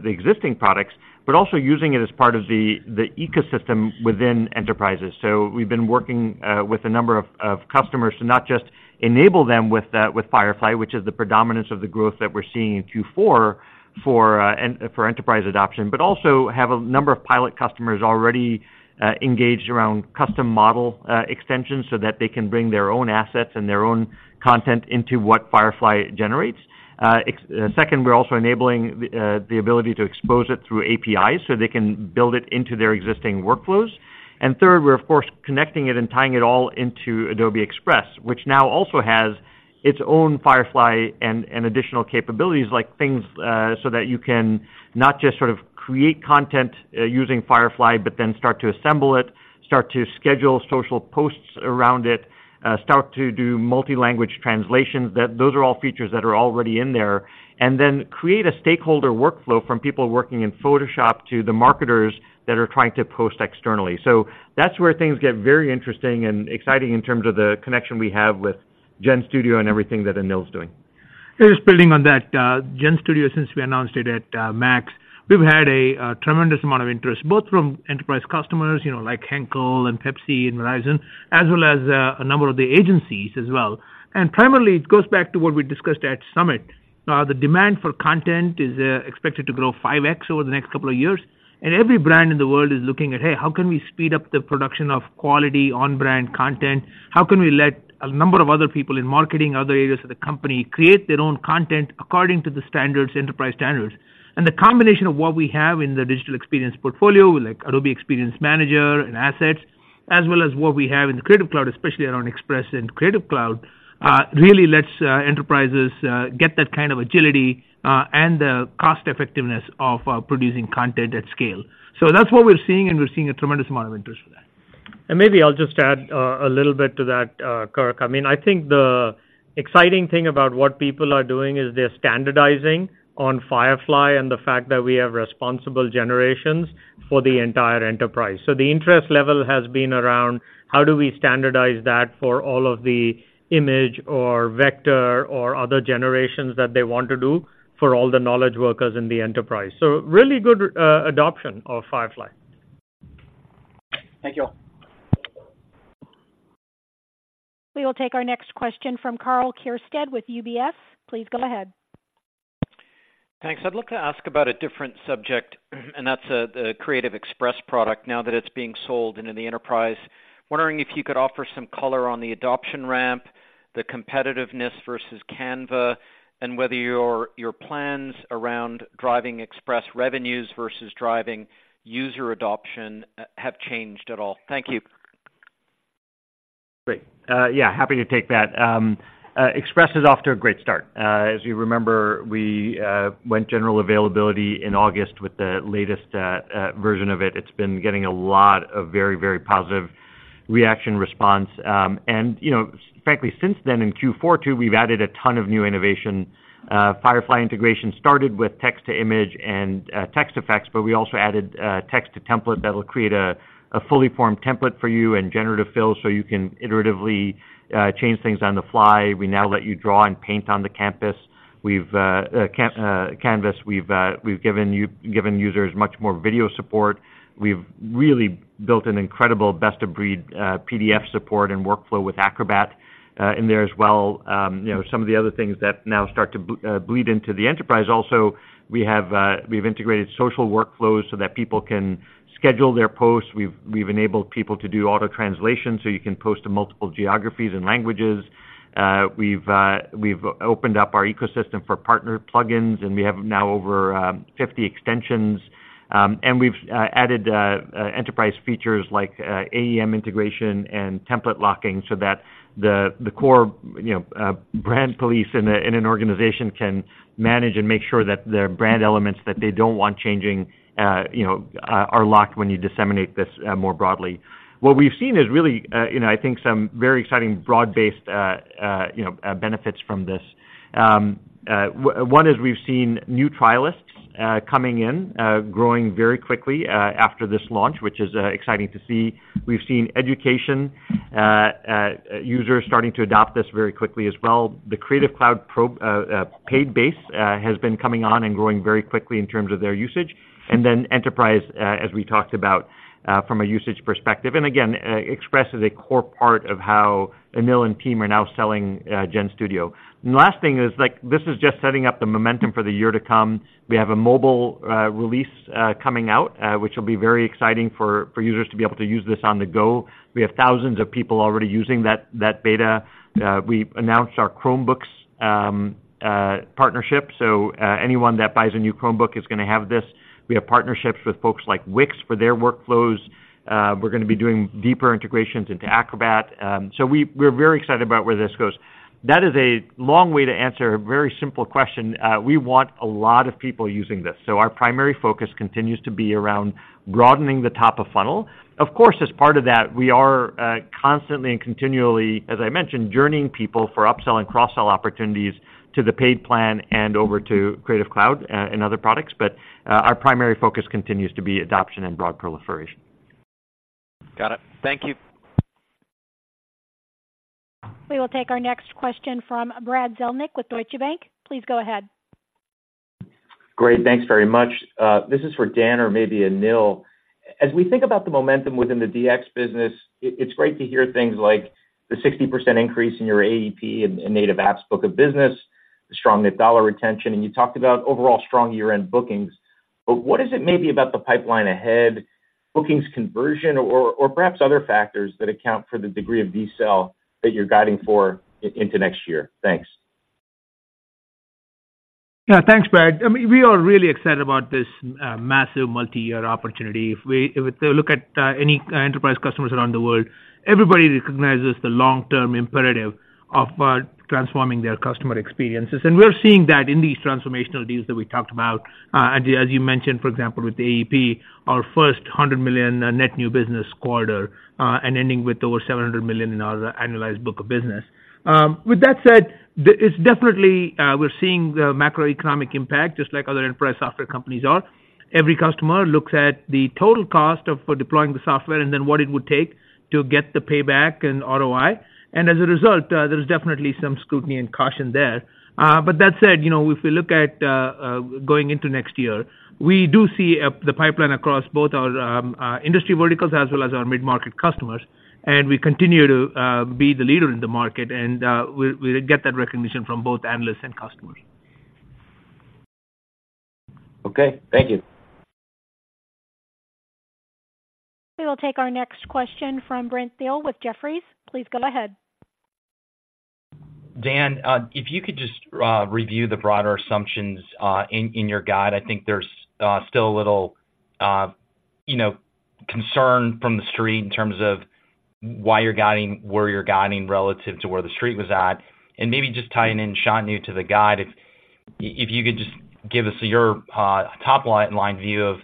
existing products, but also using it as part of the ecosystem within enterprises. So we've been working with a number of customers to not just enable them with Firefly, which is the predominance of the growth that we're seeing in Q4 for enterprise adoption, but also have a number of pilot customers already engaged around custom model extensions, so that they can bring their own assets and their own content into what Firefly generates. Second, we're also enabling the ability to expose it through APIs, so they can build it into their existing workflows. Third, we're of course connecting it and tying it all into Adobe Express, which now also has its own Firefly and additional capabilities like things, so that you can not just sort of create content using Firefly, but then start to assemble it, start to schedule social posts around it, start to do multi-language translations. Those are all features that are already in there. And then create a stakeholder workflow from people working in Photoshop to the marketers that are trying to post externally. So that's where things get very interesting and exciting in terms of the connection we have with GenStudio and everything that Anil's doing. Just building on that, GenStudio, since we announced it at Max, we've had a tremendous amount of interest, both from enterprise customers, you know, like Henkel and Pepsi and Verizon, as well as a number of the agencies as well. Primarily, it goes back to what we discussed at Summit. The demand for content is expected to grow 5x over the next couple of years, and every brand in the world is looking at, "Hey, how can we speed up the production of quality on brand content? How can we let a number of other people in marketing, other areas of the company, create their own content according to the standards, enterprise standards?" And the combination of what we have in the digital experience portfolio, like Adobe Experience Manager and Assets, as well as what we have in the Creative Cloud, especially around Express and Creative Cloud, really lets enterprises get that kind of agility and the cost effectiveness of producing content at scale. So that's what we're seeing, and we're seeing a tremendous amount of interest for that. Maybe I'll just add a little bit to that, Kirk. I mean, I think the exciting thing about what people are doing is they're standardizing on Firefly and the fact that we have responsible generations for the entire enterprise. So the interest level has been around, how do we standardize that for all of the image or vector or other generations that they want to do for all the knowledge workers in the enterprise? So really good adoption of Firefly. Thank you. We will take our next question from Karl Keirstead with UBS. Please go ahead. Thanks. I'd like to ask about a different subject, and that's the Adobe Express product, now that it's being sold into the enterprise. Wondering if you could offer some color on the adoption ramp, the competitiveness versus Canva, and whether your, your plans around driving Express revenues versus driving user adoption, have changed at all. Thank you. Great. Yeah, happy to take that. Express is off to a great start. As you remember, we went general availability in August with the latest version of it. It's been getting a lot of very, very positive reaction response. And, you know, frankly, since then, in Q4, we've added a ton of new innovation. Firefly integration started with Text to Image and Text Effects, but we also added Text to Template that will create a fully formed template for you, and Generative Fill, so you can iteratively change things on the fly. We now let you draw and paint on the canvas. We've given users much more video support. We've really built an incredible best-of-breed PDF support and workflow with Acrobat in there as well. You know, some of the other things that now start to bleed into the enterprise also. We have, we've integrated social workflows so that people can schedule their posts. We've, we've enabled people to do auto translation, so you can post to multiple geographies and languages. We've, we've opened up our ecosystem for partner plugins, and we have now over 50 extensions. And we've added enterprise features like AEM integration and template locking, so that the core, you know, brand police in an organization can manage and make sure that their brand elements that they don't want changing, you know, are locked when you disseminate this more broadly. What we've seen is really, you know, I think some very exciting, broad-based benefits from this. One is we've seen new trialists coming in growing very quickly after this launch, which is exciting to see. We've seen education users starting to adopt this very quickly as well. The Creative Cloud Pro paid base has been coming on and growing very quickly in terms of their usage, and then enterprise, as we talked about, from a usage perspective. And again, Express is a core part of how Anil and team are now selling GenStudio. And the last thing is like, this is just setting up the momentum for the year to come. We have a mobile release coming out, which will be very exciting for users to be able to use this on the go. We have thousands of people already using that beta. We've announced our Chromebooks partnership. So, anyone that buys a new Chromebook is gonna have this. We have partnerships with folks like Wix for their workflows. We're gonna be doing deeper integrations into Acrobat. We're very excited about where this goes. That is a long way to answer a very simple question. We want a lot of people using this, so our primary focus continues to be around broadening the top of funnel. Of course, as part of that, we are constantly and continually, as I mentioned, journeying people for upsell and cross-sell opportunities to the paid plan and over to Creative Cloud and other products. But, our primary focus continues to be adoption and broad proliferation. Got it. Thank you. We will take our next question from Brad Zelnick with Deutsche Bank. Please go ahead. Great, thanks very much. This is for Dan or maybe Anil. As we think about the momentum within the DX business, it, it's great to hear things like the 60% increase in your AEP and, and native apps book of business, the strong net dollar retention, and you talked about overall strong year-end bookings. But what is it maybe about the pipeline ahead, bookings conversion or, or perhaps other factors that account for the degree of decel that you're guiding for into next year? Thanks. Yeah, thanks, Brad. I mean, we are really excited about this massive multi-year opportunity. If we, if they look at any enterprise customers around the world, everybody recognizes the long-term imperative of transforming their customer experiences. And we're seeing that in these transformational deals that we talked about. As you mentioned, for example, with the AEP, our first $100 million net new business quarter, and ending with over $700 million in annualized book of business. With that said, it's definitely we're seeing the macroeconomic impact, just like other enterprise software companies are. Every customer looks at the total cost of deploying the software and then what it would take to get the payback and ROI. And as a result, there's definitely some scrutiny and caution there. But that said, you know, if we look at going into next year, we do see the pipeline across both our industry verticals as well as our mid-market customers, and we continue to be the leader in the market, and we get that recognition from both analysts and customers. Okay. Thank you. We will take our next question from Brent Thill with Jefferies. Please go ahead. Dan, if you could just review the broader assumptions in your guide. I think there's still a little, you know, concern from the street in terms of why you're guiding where you're guiding relative to where the street was at. And maybe just tying in Shantanu to the guide, if you could just give us your top line view of: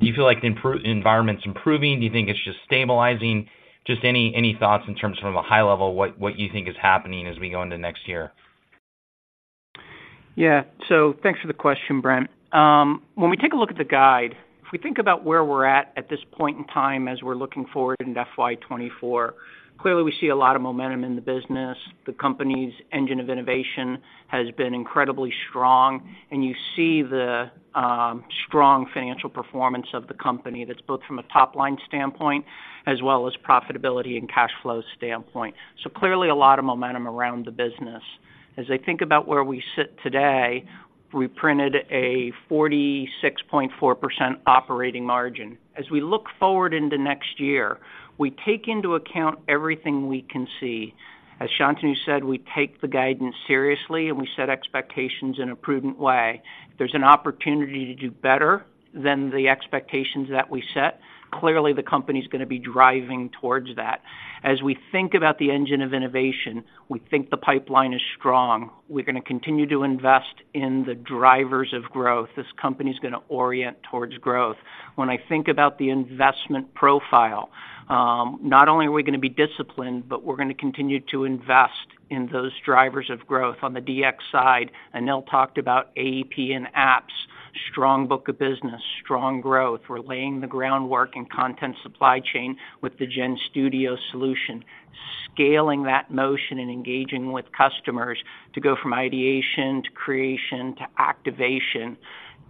Do you feel like the improving environment's improving? Do you think it's just stabilizing? Just any thoughts in terms of from a high level, what you think is happening as we go into next year? Yeah. So thanks for the question, Brent. When we take a look at the guide, if we think about where we're at at this point in time as we're looking forward into FY 2024, clearly we see a lot of momentum in the business. The company's engine of innovation has been incredibly strong, and you see the strong financial performance of the company. That's both from a top-line standpoint as well as profitability and cash flow standpoint. So clearly, a lot of momentum around the business. As I think about where we sit today, we printed a 46.4% operating margin. As we look forward into next year, we take into account everything we can see. As Shantanu said, we take the guidance seriously, and we set expectations in a prudent way. If there's an opportunity to do better than the expectations that we set, clearly, the company's gonna be driving towards that. As we think about the engine of innovation, we think the pipeline is strong. We're gonna continue to invest in the drivers of growth. This company's gonna orient towards growth. When I think about the investment profile, not only are we gonna be disciplined, but we're gonna continue to invest in those drivers of growth. On the DX side, Anil talked about AEP and apps, strong book of business, strong growth. We're laying the groundwork in content supply chain with the GenStudio solution, scaling that motion and engaging with customers to go from ideation to creation to activation,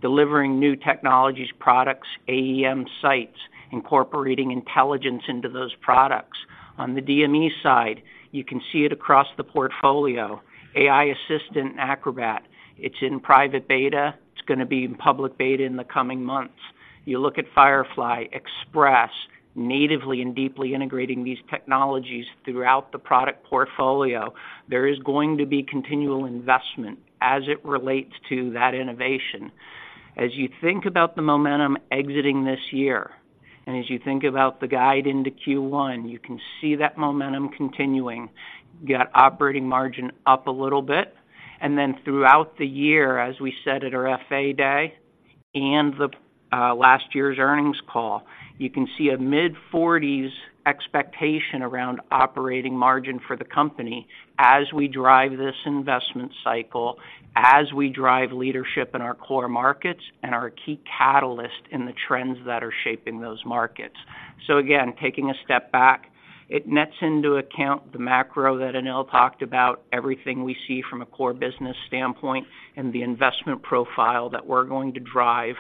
delivering new technologies, products, AEM Sites, incorporating intelligence into those products. On the DME side, you can see it across the portfolio, AI Assistant Acrobat. It's in private beta. It's gonna be in public beta in the coming months. You look at Firefly, Express, natively and deeply integrating these technologies throughout the product portfolio. There is going to be continual investment as it relates to that innovation. As you think about the momentum exiting this year, and as you think about the guide into Q1, you can see that momentum continuing. You got operating margin up a little bit, and then throughout the year, as we said at our FA Day and the last year's earnings call, you can see a mid-40s% expectation around operating margin for the company as we drive this investment cycle, as we drive leadership in our core markets and our key catalyst in the trends that are shaping those markets. So again, taking a step back, it nets into account the macro that Anil talked about, everything we see from a core business standpoint and the investment profile that we're going to drive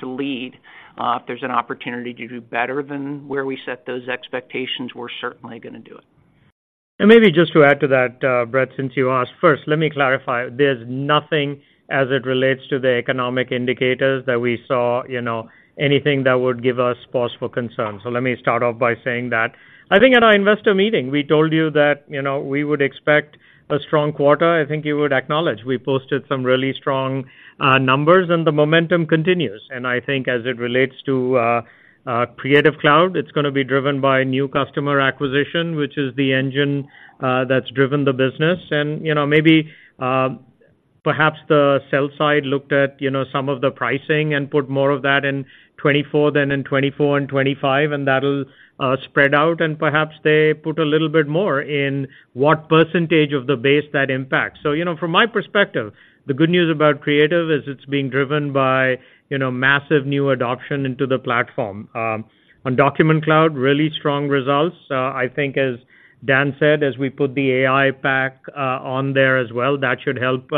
to lead. If there's an opportunity to do better than where we set those expectations, we're certainly gonna do it. Maybe just to add to that, Brent, since you asked. First, let me clarify, there's nothing as it relates to the economic indicators that we saw, you know, anything that would give us cause for concern. So let me start off by saying that. I think at our investor meeting, we told you that, you know, we would expect a strong quarter. I think you would acknowledge, we posted some really strong numbers, and the momentum continues. And I think as it relates to Creative Cloud, it's gonna be driven by new customer acquisition, which is the engine that's driven the business. You know, maybe perhaps the sell side looked at, you know, some of the pricing and put more of that in 2024 than in 2024 and 2025, and that'll spread out, and perhaps they put a little bit more in what percentage of the base that impacts. So, you know, from my perspective, the good news about Creative is it's being driven by, you know, massive new adoption into the platform. On Document Cloud, really strong results. I think as Dan said, as we put the AI pack on there as well, that should help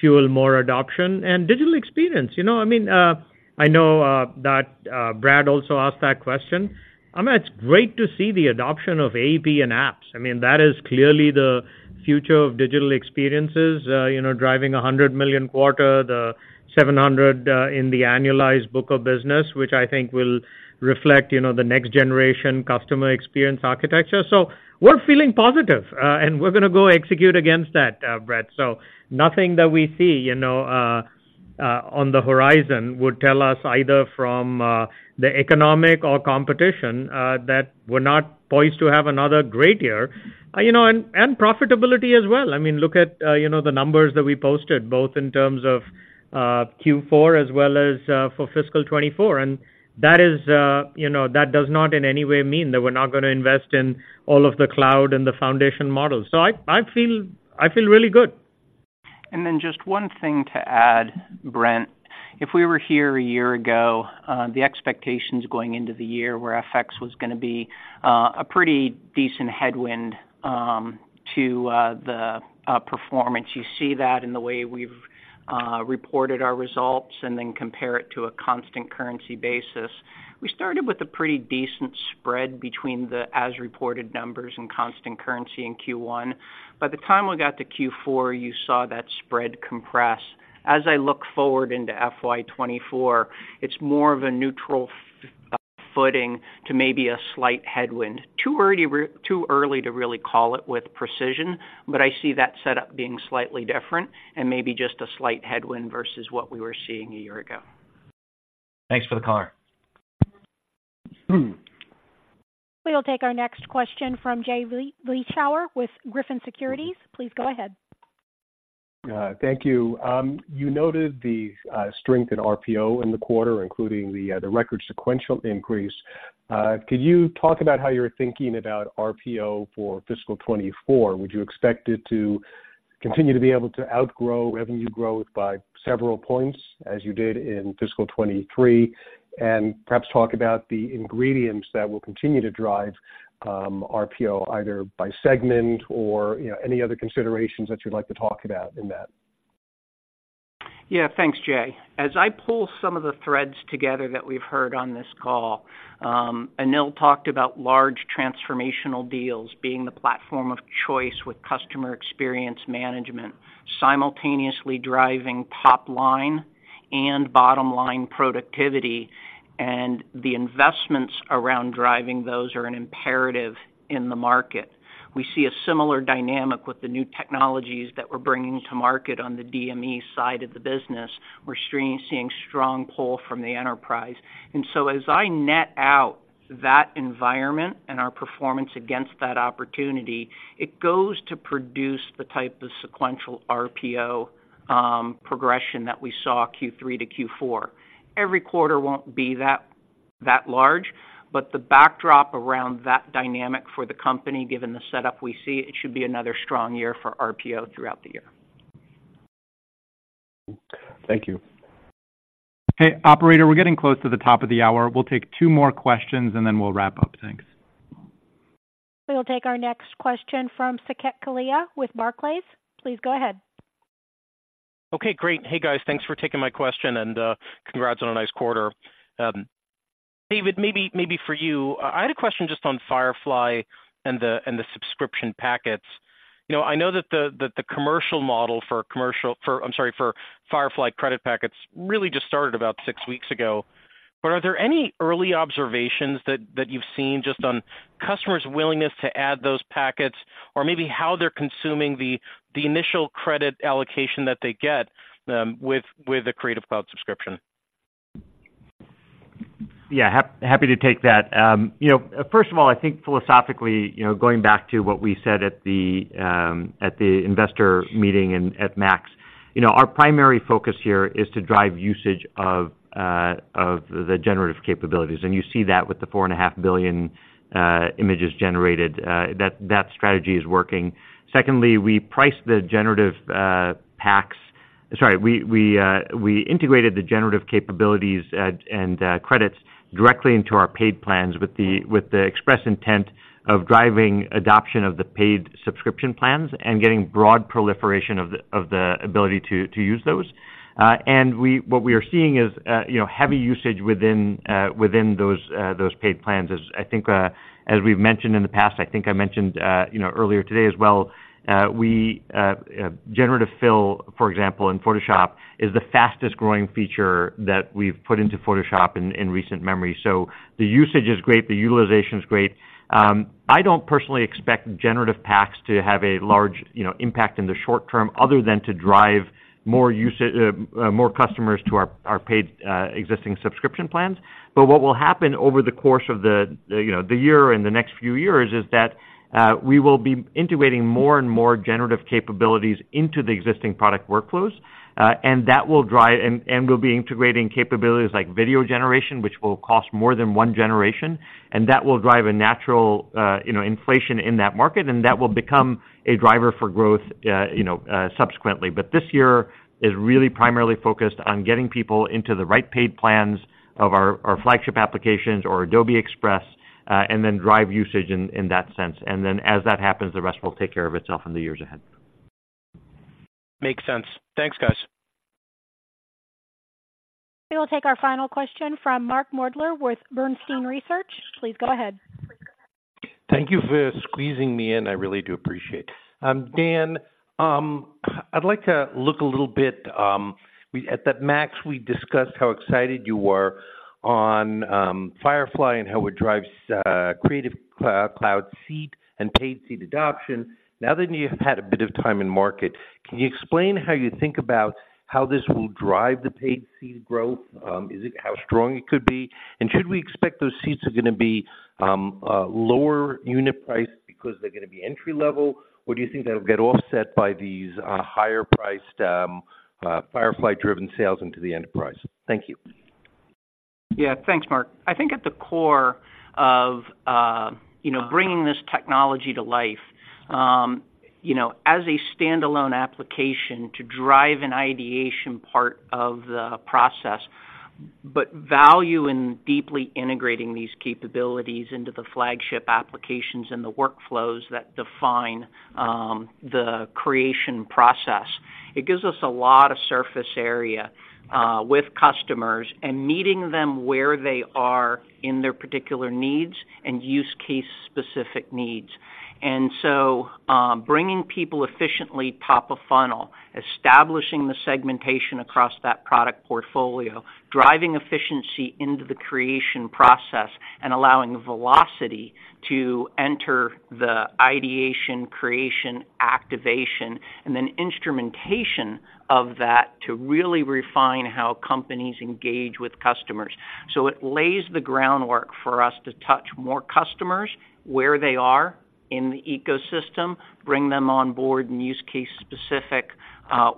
fuel more adoption. And digital experience, you know, I mean, I know that Brad also asked that question. I mean, it's great to see the adoption of AP and apps. I mean, that is clearly the future of digital experiences, you know, driving a $100 million quarter, the $700 million, in the annualized book of business, which I think will reflect, you know, the next generation customer experience architecture. So we're feeling positive, and we're gonna go execute against that, Brent. So nothing that we see, you know, on the horizon would tell us either from, the economic or competition, that we're not poised to have another great year. You know, and profitability as well. I mean, look at, you know, the numbers that we posted, both in terms of, Q4 as well as, for fiscal 2024. And that is, you know, that does not in any way mean that we're not gonna invest in all of the cloud and the foundation models. So I feel really good. Then just one thing to add, Brent. If we were here a year ago, the expectations going into the year were FX was gonna be a pretty decent headwind to the performance. You see that in the way we've reported our results and then compare it to a constant currency basis. We started with a pretty decent spread between the as-reported numbers and constant currency in Q1. By the time we got to Q4, you saw that spread compress. As I look forward into FY 2024, it's more of a neutral footing to maybe a slight headwind. Too early to really call it with precision, but I see that setup being slightly different and maybe just a slight headwind versus what we were seeing a year ago. Thanks for the color. We'll take our next question from Jay Vleeschhouwer with Griffin Securities. Please go ahead. Thank you. You noted the strength in RPO in the quarter, including the record sequential increase. Could you talk about how you're thinking about RPO for fiscal 2024? Would you expect it to continue to be able to outgrow revenue growth by several points, as you did in fiscal 2023? And perhaps talk about the ingredients that will continue to drive RPO, either by segment or, you know, any other considerations that you'd like to talk about in that. Yeah. Thanks, Jay. As I pull some of the threads together that we've heard on this call, Anil talked about large transformational deals being the platform of choice with customer experience management, simultaneously driving top line and bottom line productivity, and the investments around driving those are an imperative in the market. We see a similar dynamic with the new technologies that we're bringing to market on the DME side of the business. We're seeing strong pull from the enterprise. And so as I net out that environment and our performance against that opportunity, it goes to produce the type of sequential RPO progression that we saw Q3 to Q4. Every quarter won't be that large, but the backdrop around that dynamic for the company, given the setup we see, it should be another strong year for RPO throughout the year. Thank you. Hey, operator, we're getting close to the top of the hour. We'll take two more questions, and then we'll wrap up. Thanks. We'll take our next question from Saket Kalia with Barclays. Please go ahead. Okay, great. Hey, guys, thanks for taking my question, and congrats on a nice quarter. David, maybe for you, I had a question just on Firefly and the subscription packets. You know, I know that the commercial model for Firefly credit packets really just started about six weeks ago. But are there any early observations that you've seen just on customers' willingness to add those packets, or maybe how they're consuming the initial credit allocation that they get with the Creative Cloud subscription? Yeah, happy to take that. You know, first of all, I think philosophically, you know, going back to what we said at the investor meeting and at Max, you know, our primary focus here is to drive usage of the generative capabilities, and you see that with the 4.5 billion images generated, that strategy is working. Secondly, we priced the generative packs—sorry, we integrated the generative capabilities and credits directly into our paid plans with the express intent of driving adoption of the paid subscription plans and getting broad proliferation of the ability to use those. And what we are seeing is, you know, heavy usage within those paid plans. As I think, as we've mentioned in the past, I think I mentioned, you know, earlier today as well, we, Generative Fill, for example, in Photoshop, is the fastest-growing feature that we've put into Photoshop in recent memory. So the usage is great, the utilization is great. I don't personally expect generative packs to have a large, you know, impact in the short term, other than to drive more usage, more customers to our, our paid, existing subscription plans. But what will happen over the course of the, you know, the year and the next few years is that we will be integrating more and more generative capabilities into the existing product workflows, and that will, and we'll be integrating capabilities like video generation, which will cost more than one generation, and that will drive a natural, you know, inflation in that market, and that will become a driver for growth, you know, subsequently. But this year is really primarily focused on getting people into the right paid plans of our flagship applications or Adobe Express, and then drive usage in that sense. And then, as that happens, the rest will take care of itself in the years ahead. Makes sense. Thanks, guys. We will take our final question from Mark Moerdler with Bernstein Research. Please go ahead. Thank you for squeezing me in. I really do appreciate. Dan, I'd like to look a little bit at that MAX. We discussed how excited you were on Firefly and how it drives Creative Cloud seat and paid seat adoption. Now that you've had a bit of time in market, can you explain how you think about how this will drive the paid seat growth? Is it how strong it could be? And should we expect those seats are going to be lower unit price because they're going to be entry-level, or do you think that'll get offset by these higher priced Firefly-driven sales into the enterprise? Thank you. Yeah, thanks, Mark. I think at the core of, you know, bringing this technology to life, you know, as a standalone application to drive an ideation part of the process, but value in deeply integrating these capabilities into the flagship applications and the workflows that define the creation process, it gives us a lot of surface area with customers and meeting them where they are in their particular needs and use case-specific needs. And so, bringing people efficiently top of funnel, establishing the segmentation across that product portfolio, driving efficiency into the creation process, and allowing velocity to enter the ideation, creation, activation, and then instrumentation of that to really refine how companies engage with customers. It lays the groundwork for us to touch more customers where they are in the ecosystem, bring them on board in use case-specific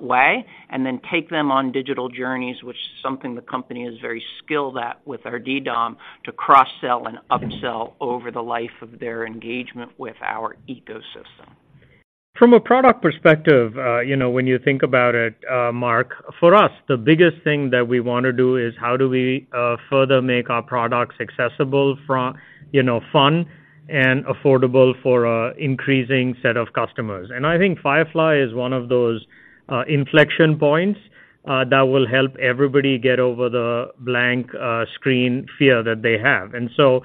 way, and then take them on digital journeys, which is something the company is very skilled at with our DDOM, to cross-sell and upsell over the life of their engagement with our ecosystem. From a product perspective, you know, when you think about it, Mark, for us, the biggest thing that we want to do is how do we further make our products accessible from, you know, fun and affordable for a increasing set of customers? And I think Firefly is one of those inflection points that will help everybody get over the blank screen fear that they have. And so,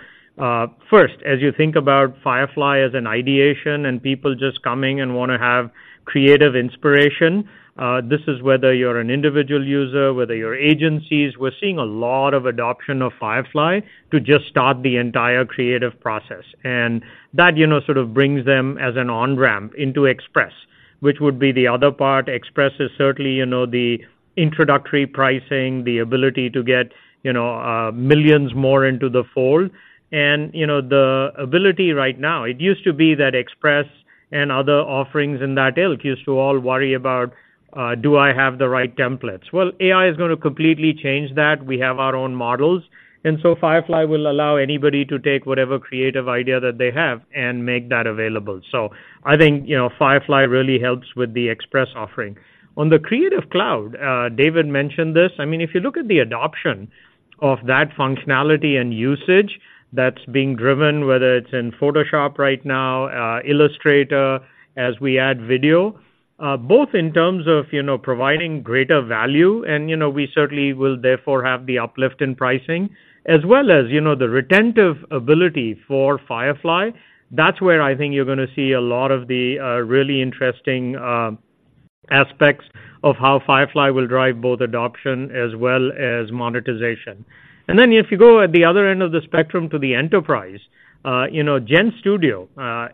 first, as you think about Firefly as an ideation and people just coming and want to have creative inspiration, this is whether you're an individual user, whether you're agencies. We're seeing a lot of adoption of Firefly to just start the entire creative process, and that, you know, sort of brings them as an on-ramp into Express, which would be the other part. Express is certainly, you know, the introductory pricing, the ability to get, you know, millions more into the fold. And, you know, the ability right now, it used to be that Express and other offerings in that ilk used to all worry about, "Do I have the right templates?" Well, AI is going to completely change that. We have our own models, and so Firefly will allow anybody to take whatever creative idea that they have and make that available. So I think, you know, Firefly really helps with the Express offering. On the Creative Cloud, David mentioned this. I mean, if you look at the adoption of that functionality and usage that's being driven, whether it's in Photoshop right now, Illustrator, as we add video, both in terms of, you know, providing greater value, and, you know, we certainly will therefore have the uplift in pricing, as well as, you know, the retentive ability for Firefly. That's where I think you're going to see a lot of the really interesting aspects of how Firefly will drive both adoption as well as monetization. And then if you go at the other end of the spectrum to the enterprise, you know, GenStudio,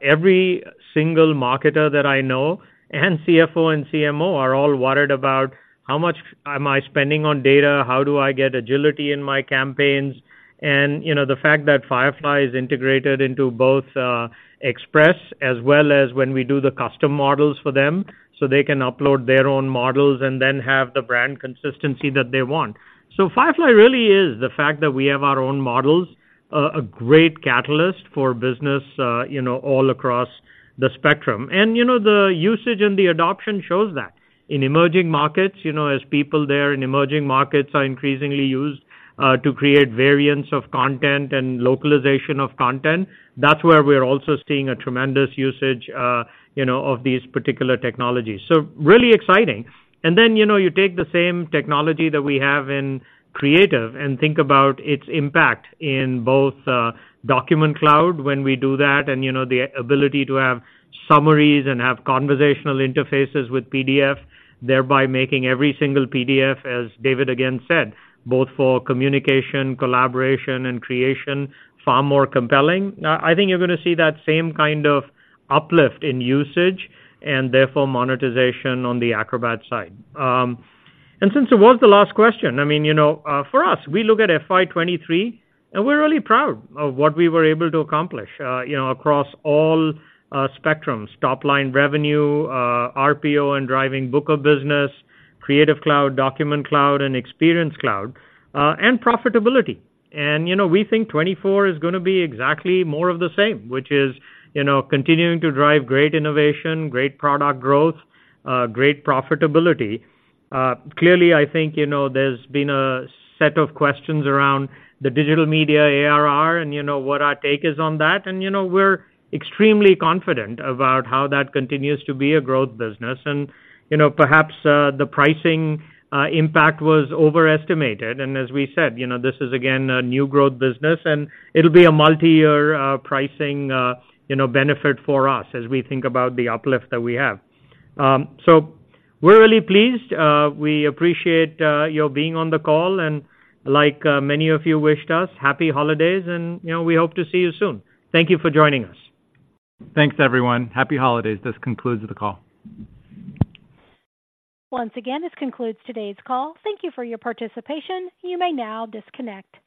every single marketer that I know, and CFO and CMO, are all worried about: How much am I spending on data? How do I get agility in my campaigns? And, you know, the fact that Firefly is integrated into both, Express as well as when we do the custom models for them, so they can upload their own models and then have the brand consistency that they want. So Firefly really is, the fact that we have our own models, a great catalyst for business, you know, all across the spectrum. And, you know, the usage and the adoption shows that. In emerging markets, you know, as people there in emerging markets are increasingly used, to create variants of content and localization of content, that's where we're also seeing a tremendous usage, you know, of these particular technologies. So really exciting. And then, you know, you take the same technology that we have in Creative and think about its impact in both, Document Cloud when we do that, and, you know, the ability to have summaries and have conversational interfaces with PDF, thereby making every single PDF, as David again said, both for communication, collaboration, and creation, far more compelling. I think you're going to see that same kind of uplift in usage and therefore monetization on the Acrobat side. Since it was the last question, I mean, you know, for us, we look at FY 2023, and we're really proud of what we were able to accomplish, you know, across all, spectrums, top-line revenue, RPO and driving book of business, Creative Cloud, Document Cloud, and Experience Cloud, and profitability. You know, we think 2024 is going to be exactly more of the same, which is, you know, continuing to drive great innovation, great product growth, great profitability. Clearly, I think, you know, there's been a set of questions around the digital media ARR, and you know, what our take is on that. You know, we're extremely confident about how that continues to be a growth business. You know, perhaps, the pricing impact was overestimated. As we said, you know, this is again, a new growth business, and it'll be a multiyear, pricing, you know, benefit for us as we think about the uplift that we have. So we're really pleased. We appreciate, your being on the call, and like, many of you wished us, happy holidays, and, you know, we hope to see you soon. Thank you for joining us. Thanks, everyone. Happy holidays. This concludes the call. Once again, this concludes today's call. Thank you for your participation. You may now disconnect.